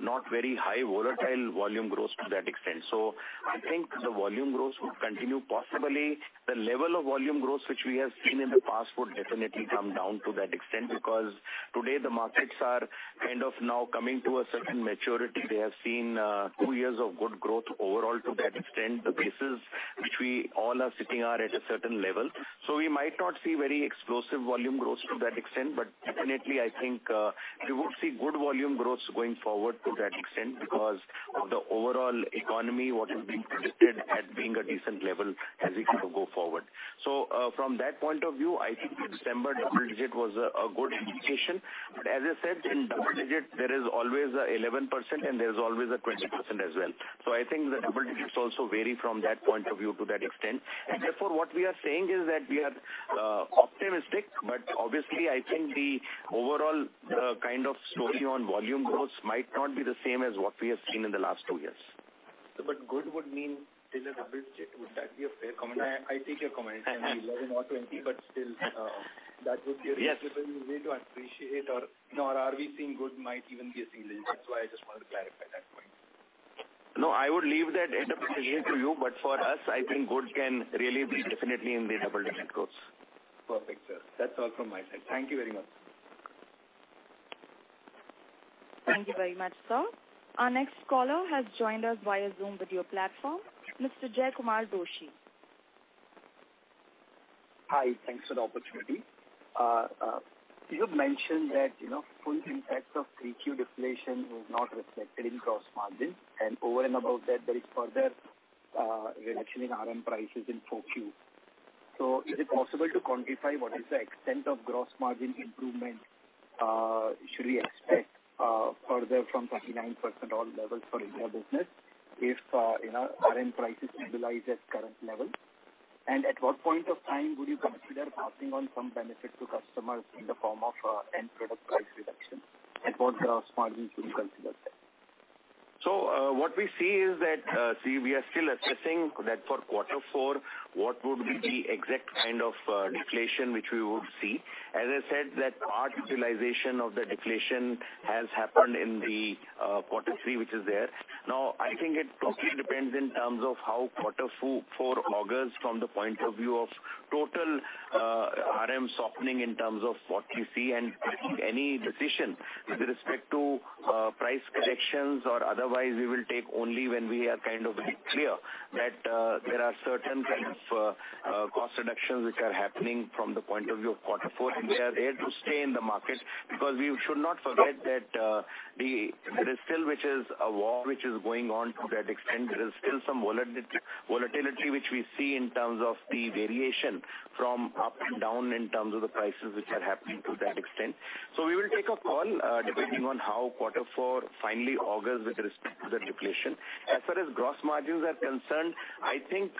not very high volatile volume growth to that extent. I think the volume growth will continue. Possibly the level of volume growth which we have seen in the past will definitely come down to that extent because today the markets are kind of now coming to a certain maturity. They have seen two years of good growth overall to that extent. The bases which we all are sitting are at a certain level. We might not see very explosive volume growth to that extent. Definitely I think, we would see good volume growth going forward to that extent because of the overall economy, what has been predicted at being a decent level as we kind of go forward. From that point of view, I think December double digit was a good indication. As I said, in double digit there is always 11% and there's always a 20% as well. I think the double digits also vary from that point of view to that extent. Therefore, what we are saying is that we are optimistic, but obviously I think the overall kind of story on volume growth might not be the same as what we have seen in the last two years.
Good would mean still a double digit. Would that be a fair comment? I take your comment. Can be 11 or 20, but still, that would be.
Yes.
A reasonable way to appreciate or, no, are we seeing good might even be a single digit. That's why I just wanted to clarify that point.
No, I would leave that interpretation to you, but for us, I think good can really be definitely in the double-digit growth.
Perfect, sir. That's all from my side. Thank you very much.
Thank you very much, sir. Our next caller has joined us via Zoom video platform. Mr. Jaykumar Doshi.
Hi. Thanks for the opportunity. You've mentioned that, you know, full impact of 3Q deflation was not reflected in gross margins, and over and above that there is further reduction in RM prices in 4Q. Is it possible to quantify what is the extent of gross margin improvement should we expect further from 39% or levels for your business if, you know, RM prices stabilize at current levels? At what point of time would you consider passing on some benefit to customers in the form of end product price reduction? At what gross margin should we consider that?
What we see is that, see, we are still assessing that for quarter four, what would be the exact kind of deflation which we would see. As I said, that part utilization of the deflation has happened in the quarter three, which is there. I think it totally depends in terms of how quarter four augurs from the point of view of total RM softening in terms of what we see. Any decision with respect to price corrections or otherwise, we will take only when we are kind of very clear that there are certain kind of cost reductions which are happening from the point of view of quarter four. We are there to stay in the market because we should not forget that there is still which is a war which is going on to that extent. There is still some volatility which we see in terms of the variation from up and down in terms of the prices which are happening to that extent. We will take a call depending on how quarter four finally augurs with respect to the deflation. As far as gross margins are concerned, I think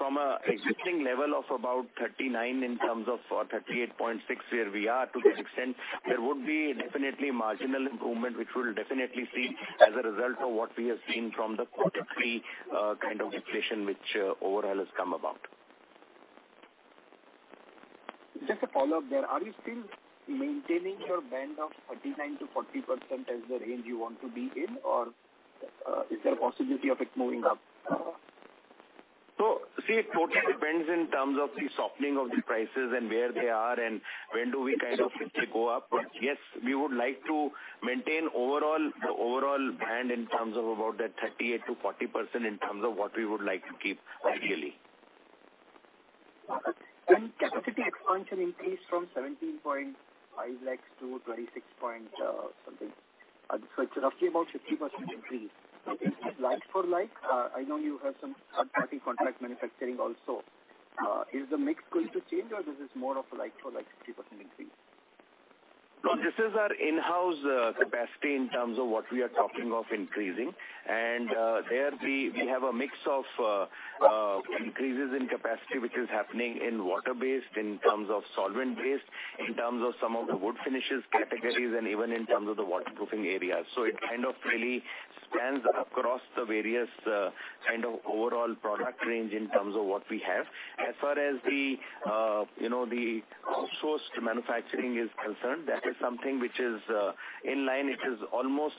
from a existing level of about 39 in terms of, or 38.6, where we are to that extent, there would be definitely marginal improvement, which we'll definitely see as a result of what we have seen from the quarter three kind of deflation which overall has come about.
Just a follow-up there. Are you still maintaining your band of 39%-40% as the range you want to be in? Is there a possibility of it moving up?
See, it totally depends in terms of the softening of the prices and where they are and when do we kind of go up. Yes, we would like to maintain overall, the overall band in terms of about that 38%-40% in terms of what we would like to keep ideally.
Capacity expansion increased from 17.5 lakhs to 26 point something lakhs. It's roughly about 50% increase. Is this like for like? I know you have some third-party contract manufacturing also. Is the mix going to change or this is more of like for like 50% increase?
No, this is our in-house capacity in terms of what we are talking of increasing. There we have a mix of increases in capacity, which is happening in water-based, in terms of solvent-based, in terms of some of the wood finishes categories and even in terms of the waterproofing areas. It kind of really spans across the various kind of overall product range in terms of what we have. As far as the, you know, the outsourced manufacturing is concerned, that is something which is in line.It is almost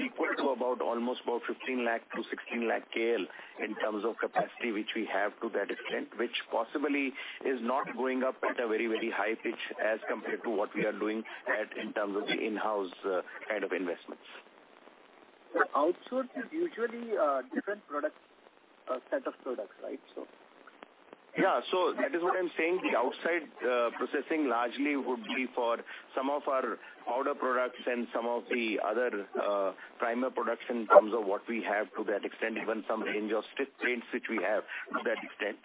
equal to about almost about 15 lakh-16 lakh KL in terms of capacity, which we have to that extent, which possibly is not going up at a very, very high pitch as compared to what we are doing at in terms of the in-house kind of investments.
The outsource is usually different products or set of products, right?
Yeah. That is what I'm saying. The outside processing largely would be for some of our powder products and some of the other primer products in terms of what we have to that extent, even some range of strict paints which we have to that extent.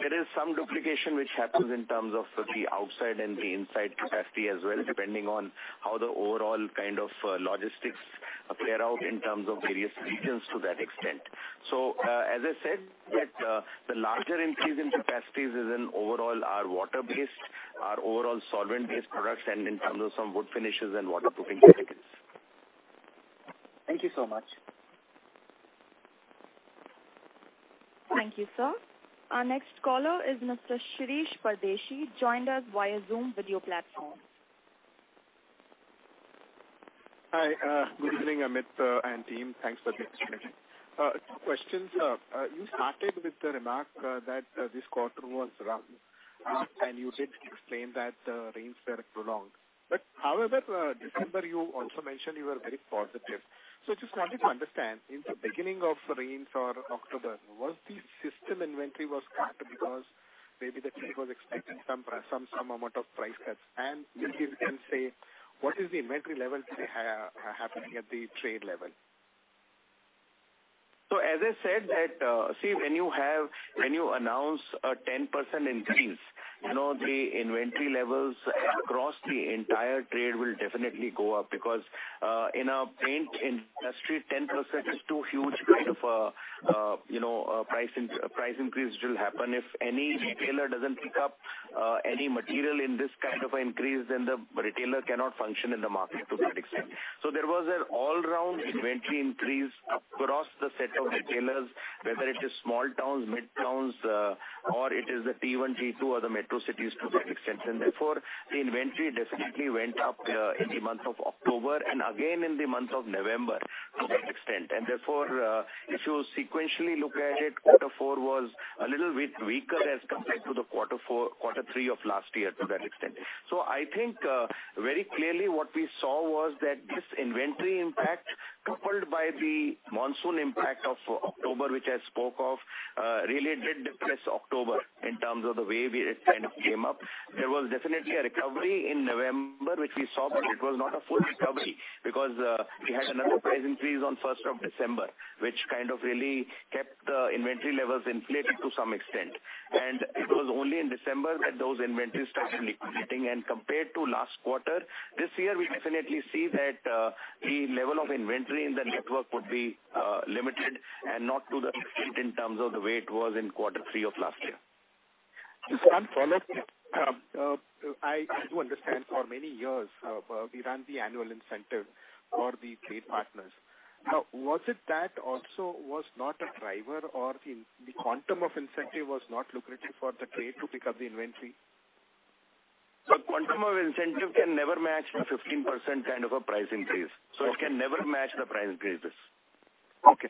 There is some duplication which happens in terms of the outside and the inside capacity as well, depending on how the overall kind of logistics play out in terms of various regions to that extent. As I said that, the larger increase in capacities is in overall our water-based, our overall solvent-based products and in terms of some wood finishes and waterproofing categories.
Thank you so much.
Thank you sir. Our next caller is Mr. Shirish Pardeshi, joined us via Zoom video platform.
Hi, good evening Amit and team. Thanks for the opportunity. Two questions. You started with the remark that this quarter was rough, and you did explain that rains were prolonged. However, December you also mentioned you were very positive. Just wanted to understand, in the beginning of rains or October, was the system inventory was cut because maybe the trade was expecting some amount of price cuts? Maybe you can say what is the inventory levels happening at the trade level?
As I said that, when you announce a 10% increase, you know, the inventory levels across the entire trade will definitely go up because in a paint industry, 10% is too huge kind of a, you know, a price increase which will happen. If any retailer doesn't pick up any material in this kind of an increase, then the retailer cannot function in the market to that extent. There was an all-round inventory increase across the set of retailers, whether it is small towns, mid towns, or it is the T1, T2 or the metro cities to that extent. Therefore, the inventory definitely went up in the month of October and again in the month of November to that extent. Therefore, if you sequentially look at it, quarter four was a little bit weaker as compared to the quarter thr of last year to that extent. I think, very clearly what we saw was that this inventory impact, coupled by the monsoon impact of October, which I spoke of, really did depress October in terms of the way it kind of came up. There was definitely a recovery in November, which we saw, but it was not a full recovery because we had another price increase on 1st of December, which kind of really kept the inventory levels inflated to some extent. It was only in December that those inventories started liquidating. Compared to last quarter, this year we definitely see that the level of inventory in the network would be limited and not to the extent in terms of the way it was in quarter three of last year.
Just one follow-up. I do understand for many years, we ran the annual incentive for the trade partners. Was it that also was not a driver or the quantum of incentive was not lucrative for the trade to pick up the inventory?
The quantum of incentive can never match the 15% kind of a price increase.
Okay.
It can never match the price increases.
Okay.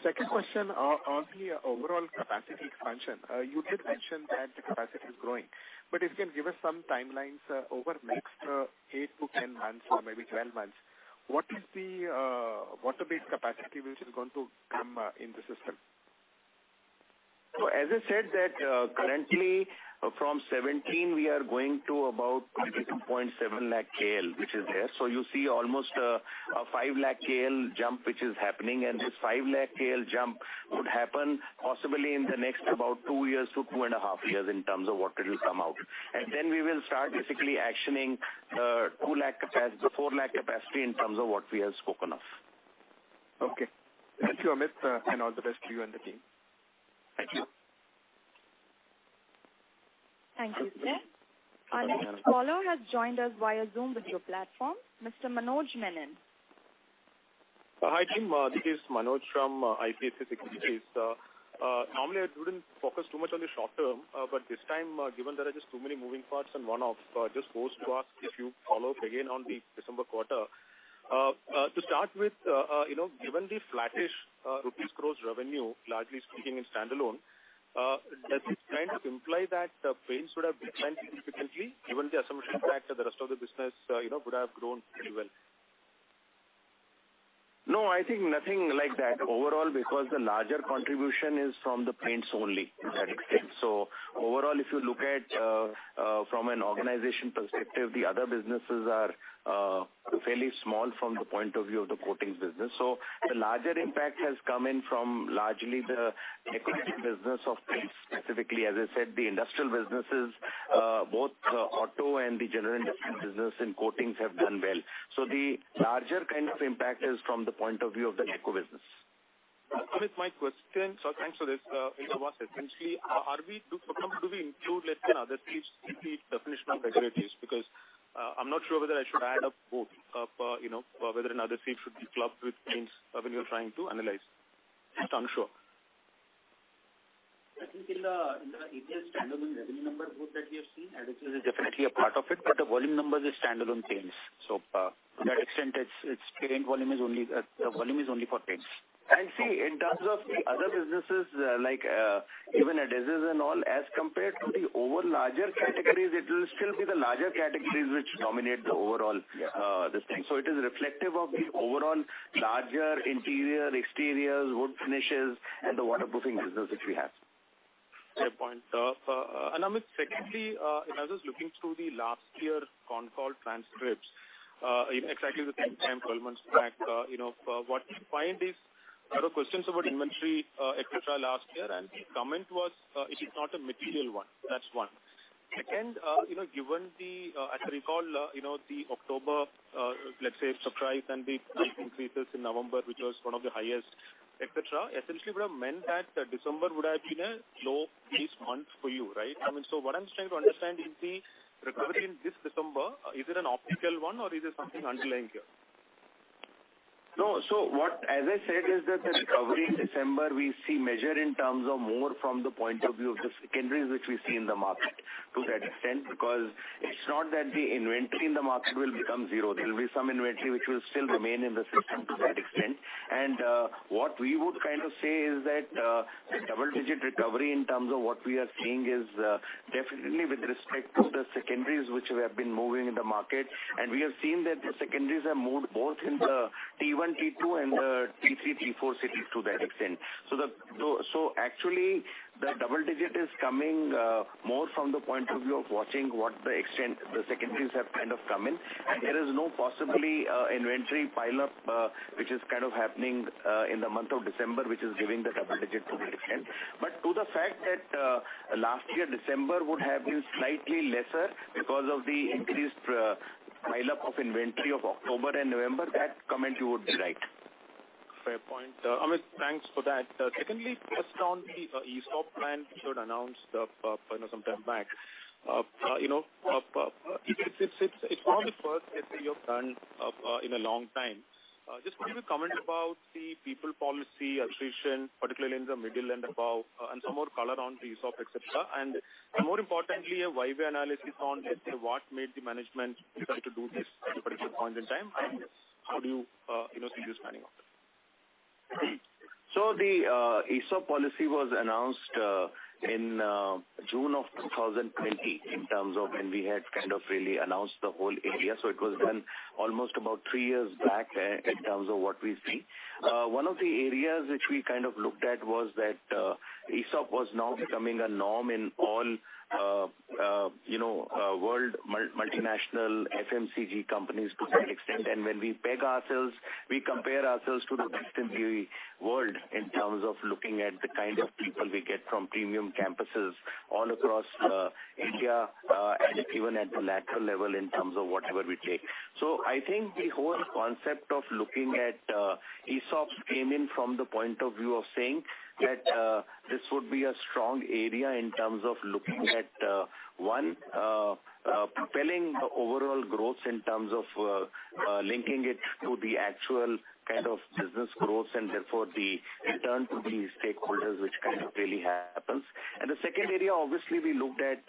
Second question on the overall capacity expansion. You did mention that the capacity is growing, but if you can give us some timelines, over next eight to 10 months or maybe 12 months, what is the water-based capacity which is going to come in the system?
As I said that, currently from 17 we are going to about 22.7 lakh KL, which is there. You see almost a 5 lakh KL jump which is happening, and this 5 lakh KL jump would happen possibly in the next about two years to 2.5 years in terms of what will come out. We will start basically actioning 2 lakh 4 lakh capacity in terms of what we have spoken of.
Okay. Thank you, Amit, and all the best to you and the team.
Thank you.
Thank you, sir. Our next caller has joined us via Zoom video platform, Mr. Manoj Menon.
Hi, team. This is Manoj from ICICI Securities. Normally I wouldn't focus too much on the short term, but this time, given there are just too many moving parts and one-offs, just goes to ask if you follow up again on the December quarter. To start with, you know, given the flattish INR gross revenue, largely speaking in standalone, does this kind of imply that the paints would have declined significantly given the assumption that the rest of the business, you know, would have grown fairly well?
No, I think nothing like that overall, because the larger contribution is from the paints only to that extent. Overall, if you look at from an organization perspective, the other businesses are fairly small from the point of view of the coatings business. The larger impact has come in from largely the decorative business of paints specifically. As I said, the industrial businesses, both auto and the general industrial business in coatings have done well. The larger kind of impact is from the point of view of the decorative business.
Amit, my question. Thanks for this. It's Abbas, essentially, are we do we include less than other paints in the definition of decorative? I'm not sure whether I should add up both, you know, whether or not the paints should be clubbed with paints, when you're trying to analyze. Just unsure.
I think in the India standalone revenue number growth that we have seen, adhesives is definitely a part of it, but the volume number is standalone paints. To that extent, it's paint volume is only volume is only for paints. See, in terms of the other businesses, even adhesives and all, as compared to the over larger categories, it will still be the larger categories which dominate the overall, this thing. It is reflective of the overall larger interior, exteriors, wood finishes and the waterproofing business which we have.
Fair point. Amit, secondly, as I was looking through the last year's con call transcripts, in exactly the same time, 12 months back, you know, what you find is there are questions about inventory, et cetera last year. The comment was, it is not a material one. That's one. Second, you know, given the, as I recall, you know, the October, let's say, surprise and the price increases in November, which was one of the highest, et cetera. Essentially would have meant that December would have been a low base month for you, right? I mean, what I'm trying to understand is the recovery in this December, is it an optical one or is there something underlying here?
No. What as I said is that the recovery in December we see measure in terms of more from the point of view of the secondaries which we see in the market to that extent, because it's not that the inventory in the market will become zero. There will be some inventory which will still remain in the system to that extent. What we would kind of say is that the double-digit recovery in terms of what we are seeing is definitely with respect to the secondaries which have been moving in the market. We have seen that the secondaries have moved both in the T1, T2 and the T3, T4 cities to that extent. Actually the double digit is coming more from the point of view of watching what the extent the secondaries have kind of come in. There is no possibly inventory pile up which is kind of happening in the month of December, which is giving the double digit to that extent. To the fact that last year December would have been slightly lesser because of the increased pile up of inventory of October and November. That comment you would be right.
Fair point. Amit, thanks for that. Secondly, just on the ESOP plan which you had announced, you know, some time back, you know, it's one of the first that you have done in a long time. Just wanted to comment about the people policy attrition, particularly in the middle and above, and some more color on the ESOP, et cetera. More importantly, a why-way analysis on what made the management decide to do this at a particular point in time. How do you know, see this panning out?
The ESOP policy was announced in June of 2020 in terms of when we had kind of really announced the whole area. It was done almost about three years back in terms of what we see. One of the areas which we kind of looked at was that ESOP was now becoming a norm in all, you know, world multinational FMCG companies to that extent. When we peg ourselves, we compare ourselves to the best in the world in terms of looking at the kind of people we get from premium campuses all across India, and even at the lateral level in terms of whatever we take. I think the whole concept of looking at ESOPs came in from the point of view of saying that this would be a strong area in terms of looking at one, propelling the overall growth in terms of linking it to the actual kind of business growth and therefore the return to the stakeholders, which kind of really happens. The second area obviously we looked at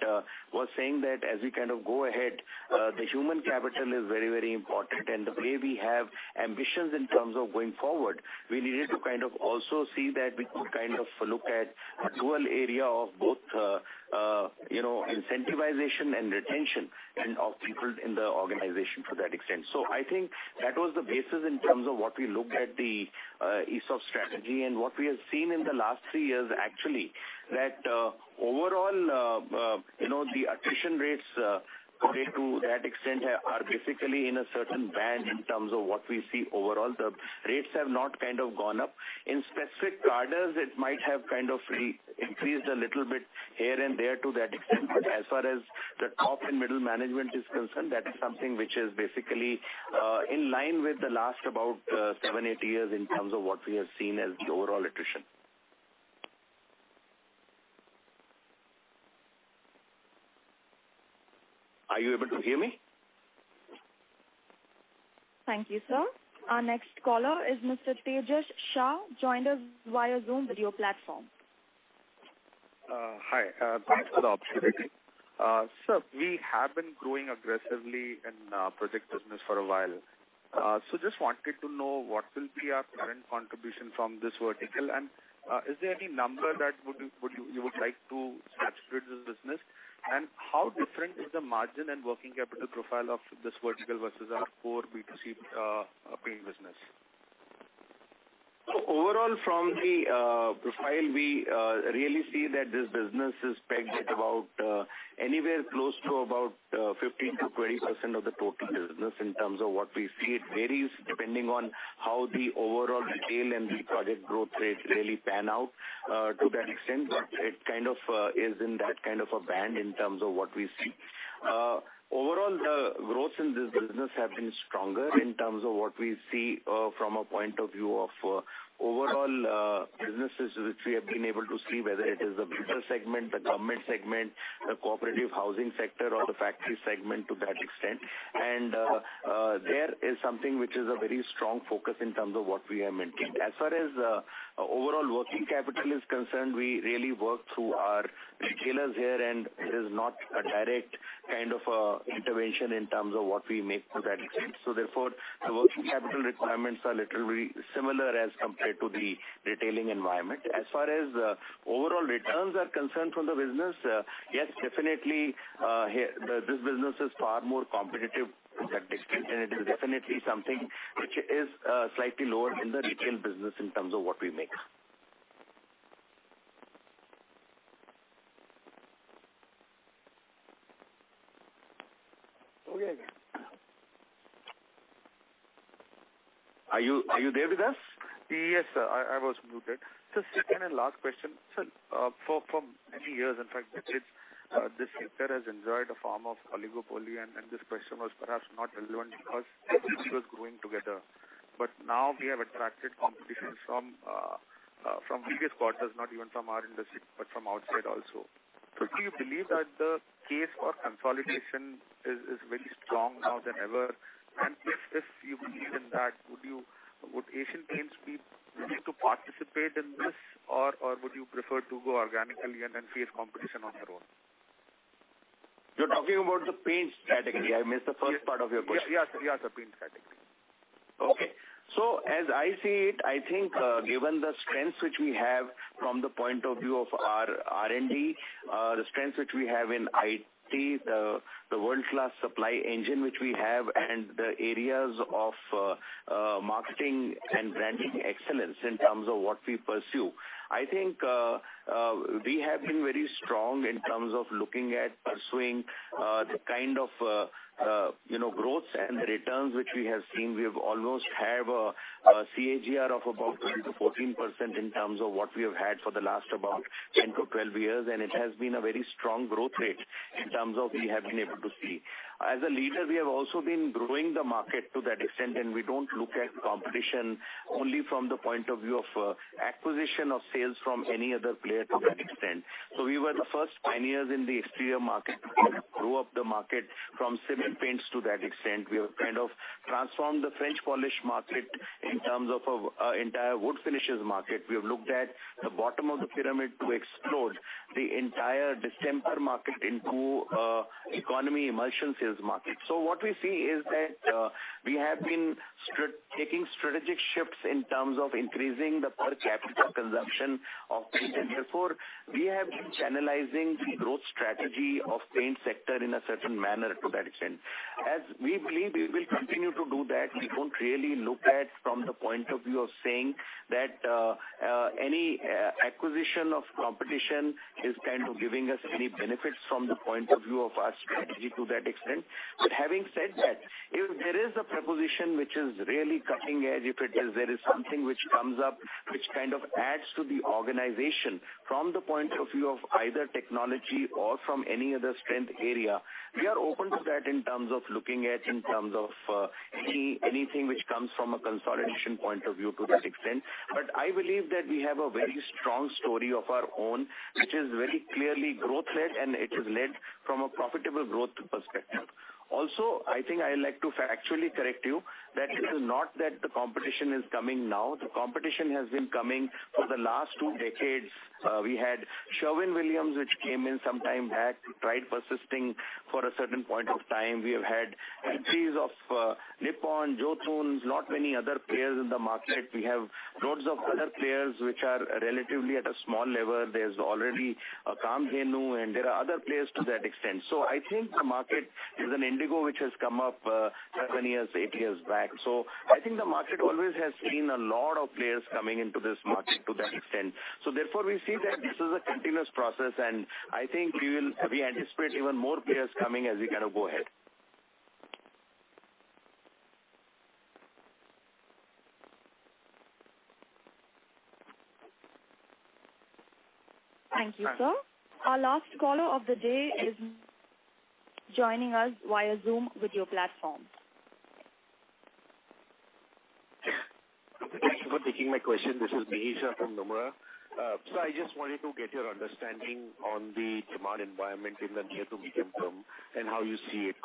was saying that as we kind of go ahead, the human capital is very, very important. The way we have ambitions in terms of going forward, we needed to kind of also see that we could kind of look at a dual area of both, you know, incentivization and retention and of people in the organization to that extent. I think that was the basis in terms of what we looked at the ESOP strategy and what we have seen in the last three years actually, that overall, you know, the attrition rates compared to that extent are basically in a certain band in terms of what we see overall. The rates have not kind of gone up. In specific cadres it might have kind of re-increased a little bit here and there to that extent. As far as the top and middle management is concerned, that is something which is basically in line with the last about seven, eight years in terms of what we have seen as the overall attrition. Are you able to hear me?
Thank you, sir. Our next caller is Mr. Tejas Shah, joined us via Zoom video platform.
Hi. Thanks for the opportunity. Sir, we have been growing aggressively in project business for a while. Just wanted to know what will be our current contribution from this vertical. Is there any number that you would like to saturate this business? How different is the margin and working capital profile of this vertical versus our core B2C paint business?
Overall from the profile, we really see that this business is pegged at about anywhere close to about 15%-20% of the total business in terms of what we see. It varies depending on how the overall retail and the project growth rates really pan out to that extent. It kind of is in that kind of a band in terms of what we see. Overall, the growth in this business have been stronger in terms of what we see from a point of view of overall businesses which we have been able to see, whether it is the builder segment, the government segment, the cooperative housing sector or the factory segment to that extent. There is something which is a very strong focus in terms of what we are maintaining. As far as overall working capital is concerned, we really work through our retailers here, and it is not a direct kind of intervention in terms of what we make to that extent. Therefore, the working capital requirements are literally similar as compared to the retailing environment. As far as overall returns are concerned from the business, yes, definitely, here, this business is far more competitive to that extent, and it is definitely something which is slightly lower in the retail business in terms of what we make.
Okay.
Are you, are you there with us?
Yes, I was muted. The second and last question. Sir, for many years, in fact decades, this sector has enjoyed a form of oligopoly and this question was perhaps not relevant because everybody was growing together. Now we have attracted competition from previous quarters, not even from our industry, but from outside also. Do you believe that the case for consolidation is very strong now than ever? If you believe in that, would Asian Paints be willing to participate in this or would you prefer to go organically and then face competition on your own?
You're talking about the paints category? I missed the first part of your question.
Yes, sir. Yes, sir. Paints category.
As I see it, I think given the strengths which we have from the point of view of our R&D, the strengths which we have in IT, the world-class supply engine which we have, and the areas of marketing and branding excellence in terms of what we pursue, I think we have been very strong in terms of looking at pursuing the kind of, you know, growth and the returns which we have seen. We have almost have a CAGR of about 12%-14% in terms of what we have had for the last about 10-12 years, and it has been a very strong growth rate in terms of we have been able to see. As a leader we have also been growing the market to that extent. We don't look at competition only from the point of view of acquisition of sales from any other player to that extent. We were the first pioneers in the exterior market. We grew up the market from cement paints to that extent. We have kind of transformed the French polish market in terms of entire wood finishes market. We have looked at the bottom of the pyramid to explode the entire distemper market into economy emulsions sales market. What we see is that we have been taking strategic shifts in terms of increasing the per capita consumption of paint. Therefore, we have been channelizing the growth strategy of paint sector in a certain manner to that extent. As we believe we will continue to do that, we don't really look at from the point of view of saying that, any acquisition of competition is kind of giving us any benefits from the point of view of our strategy to that extent. Having said that, if there is a proposition which is really cutting edge, if it is there is something which comes up which kind of adds to the organization from the point of view of either technology or from any other strength area, we are open to that in terms of looking at, in terms of, anything which comes from a consolidation point of view to that extent. I believe that we have a very strong story of our own, which is very clearly growth led, and it is led from a profitable growth perspective. I think I like to factually correct you that it is not that the competition is coming now. The competition has been coming for the last two decades. We had Sherwin-Williams, which came in some time back, tried persisting for a certain point of time. We have had entries of Nippon, Jotun, lot many other players in the market. We have loads of other players which are relatively at a small level. There's already a Kamdhenu, and there are other players to that extent. I think the market is an Indigo which has come up, seven years, eight years back. I think the market always has seen a lot of players coming into this market to that extent. Therefore we see that this is a continuous process and I think we anticipate even more players coming as we kind of go ahead.
Thank you, sir. Our last caller of the day is joining us via Zoom video platform.
Taking my question. This is Mihir Shah from Nomura. I just wanted to get your understanding on the demand environment in the near to medium term and how you see it.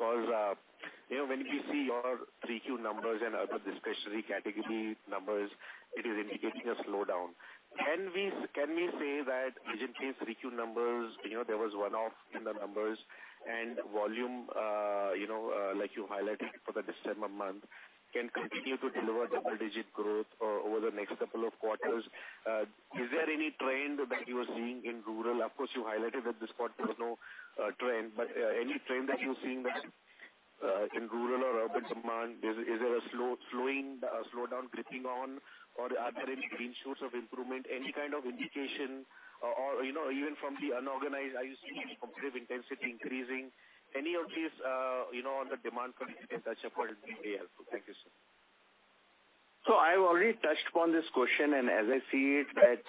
You know, when we see your 3Q numbers and other discretionary category numbers, it is indicating a slowdown. Can we say that recently 3Q numbers, you know, there was one-off in the numbers and volume, you know, like you highlighted for the December month, can continue to deliver double-digit growth over the next couple of quarters? Is there any trend that you are seeing in rural? Of course, you highlighted that this quarter there was no trend, any trend that you're seeing that in rural or urban demand, is there a slowdown gripping on, or are there any green shoots of improvement? Any kind of indication or, you know, even from the unorganized, I used to see competitive intensity increasing. Any of these, you know, on the demand front can touch upon would be helpful. Thank you, sir.
I've already touched upon this question, and as I see it, that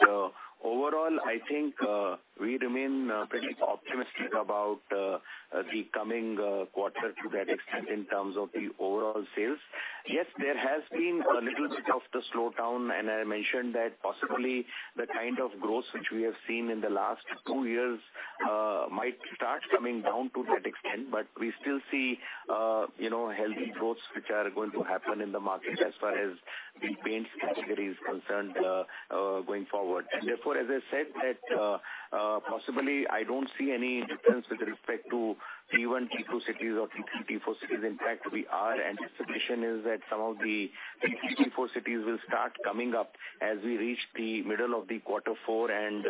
overall, I think we remain pretty optimistic about the coming quarter to that extent in terms of the overall sales. Yes, there has been a little bit of the slowdown, and I mentioned that possibly the kind of growth which we have seen in the last two years might start coming down to that extent. We still see, you know, healthy growths which are going to happen in the market as far as the paints category is concerned going forward. Therefore, as I said, that possibly I don't see any difference with respect to T1, T2 cities or T3, T4 cities. In fact, anticipation is that some of the T3, T4 cities will start coming up as we reach the middle of the quarter four and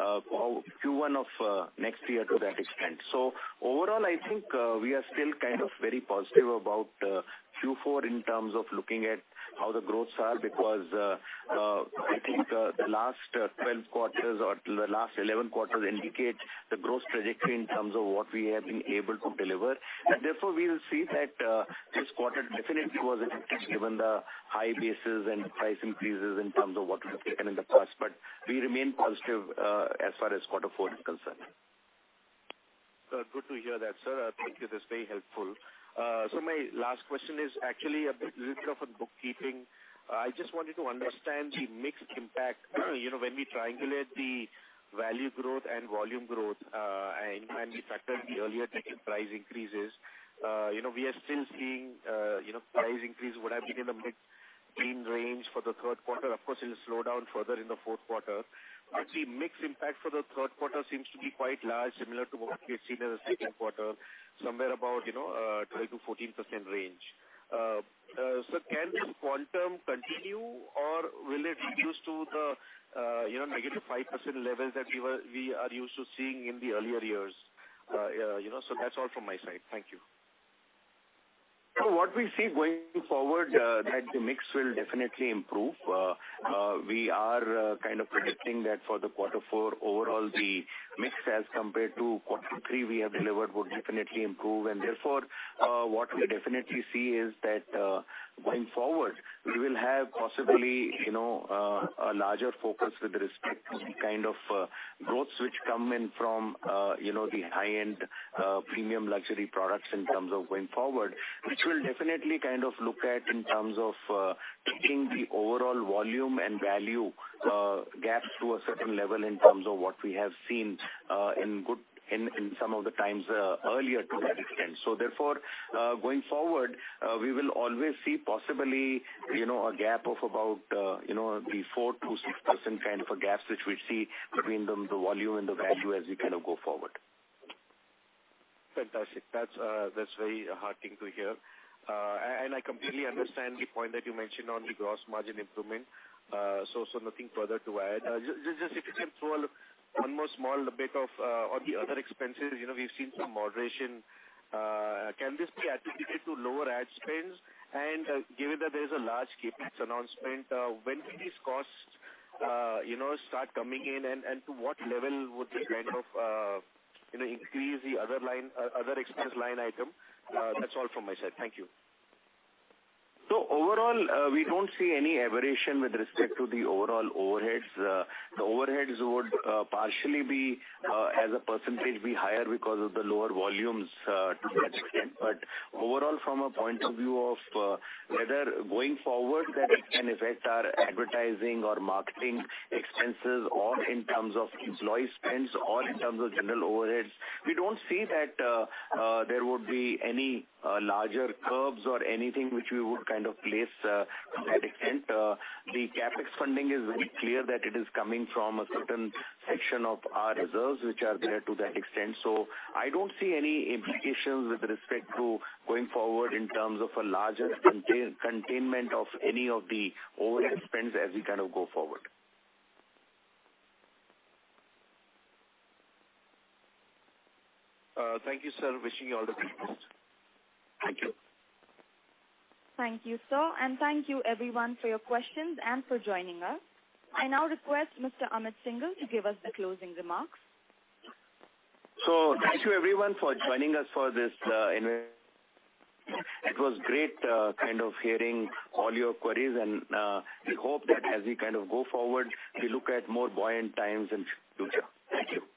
Q1 of next year to that extent. Overall, I think, we are still kind of very positive about quarter four in terms of looking at how the growths are, because, I think, the last 12 quarters or the last 11 quarters indicate the growth trajectory in terms of what we have been able to deliver. Therefore, we will see that, this quarter definitely was a challenge given the high bases and price increases in terms of what we have taken in the past, but we remain positive as far as quarter four is concerned.
Good to hear that, sir. Thank you. That's very helpful. My last question is actually a bit, little bit of a bookkeeping. I just wanted to understand the mixed impact, you know, when we triangulate the value growth and volume growth, and we factor in the earlier taken price increases, you know, we are still seeing, you know, price increase would have been in the mid-teen range for the third quarter. Of course, it'll slow down further in the fourth quarter. But the mixed impact for the third quarter seems to be quite large, similar to what we have seen in the second quarter, somewhere about, you know, 12%-14% range. Can this quantum continue or will it reduce to the, you know, -5% levels that we were, we are used to seeing in the earlier years? You know, that's all from my side. Thank you.
What we see going forward, that the mix will definitely improve. We are kind of predicting that for the quarter four overall, the mix as compared to quarter three we have delivered will definitely improve. Therefore, what we definitely see is that, going forward, we will have possibly, you know, a larger focus with respect to the kind of growths which come in from, you know, the high-end, premium luxury products in terms of going forward. Which we'll definitely kind of look at in terms of taking the overall volume and value gap to a certain level in terms of what we have seen in some of the times earlier to that extent. Therefore, going forward, we will always see possibly, you know, a gap of about, you know, the 4%-6% kind of a gap which we see between the volume and the value as we kind of go forward.
Fantastic. That's very heartening to hear. I completely understand the point that you mentioned on the gross margin improvement, nothing further to add. Just if you can throw a one more small bit of on the other expenses. You know, we've seen some moderation. Can this be attributed to lower ad spends? Given that there's a large CapEx announcement, when will these costs, you know, start coming in and to what level would they kind of, you know, increase the other line, other expense line item? That's all from my side. Thank you.
Overall, we don't see any aberration with respect to the overall overheads. The overheads would partially be as a percentage be higher because of the lower volumes to that extent. Overall, from a point of view of whether going forward that can affect our advertising or marketing expenses or in terms of employee spends or in terms of general overheads, we don't see that there would be any larger curbs or anything which we would kind of place to that extent. The CapEx funding is very clear that it is coming from a certain section of our reserves, which are there to that extent. I don't see any implications with respect to going forward in terms of a larger containment of any of the overhead spends as we kind of go forward.
Thank you, sir. Wishing you all the best.
Thank you.
Thank you, sir, and thank you everyone for your questions and for joining us. I now request Mr. Amit Syngle to give us the closing remarks.
Thank you everyone for joining us for this [investor call]. It was great kind of hearing all your queries and we hope that as we kind of go forward, we look at more buoyant times in future. Thank you.
Thank you.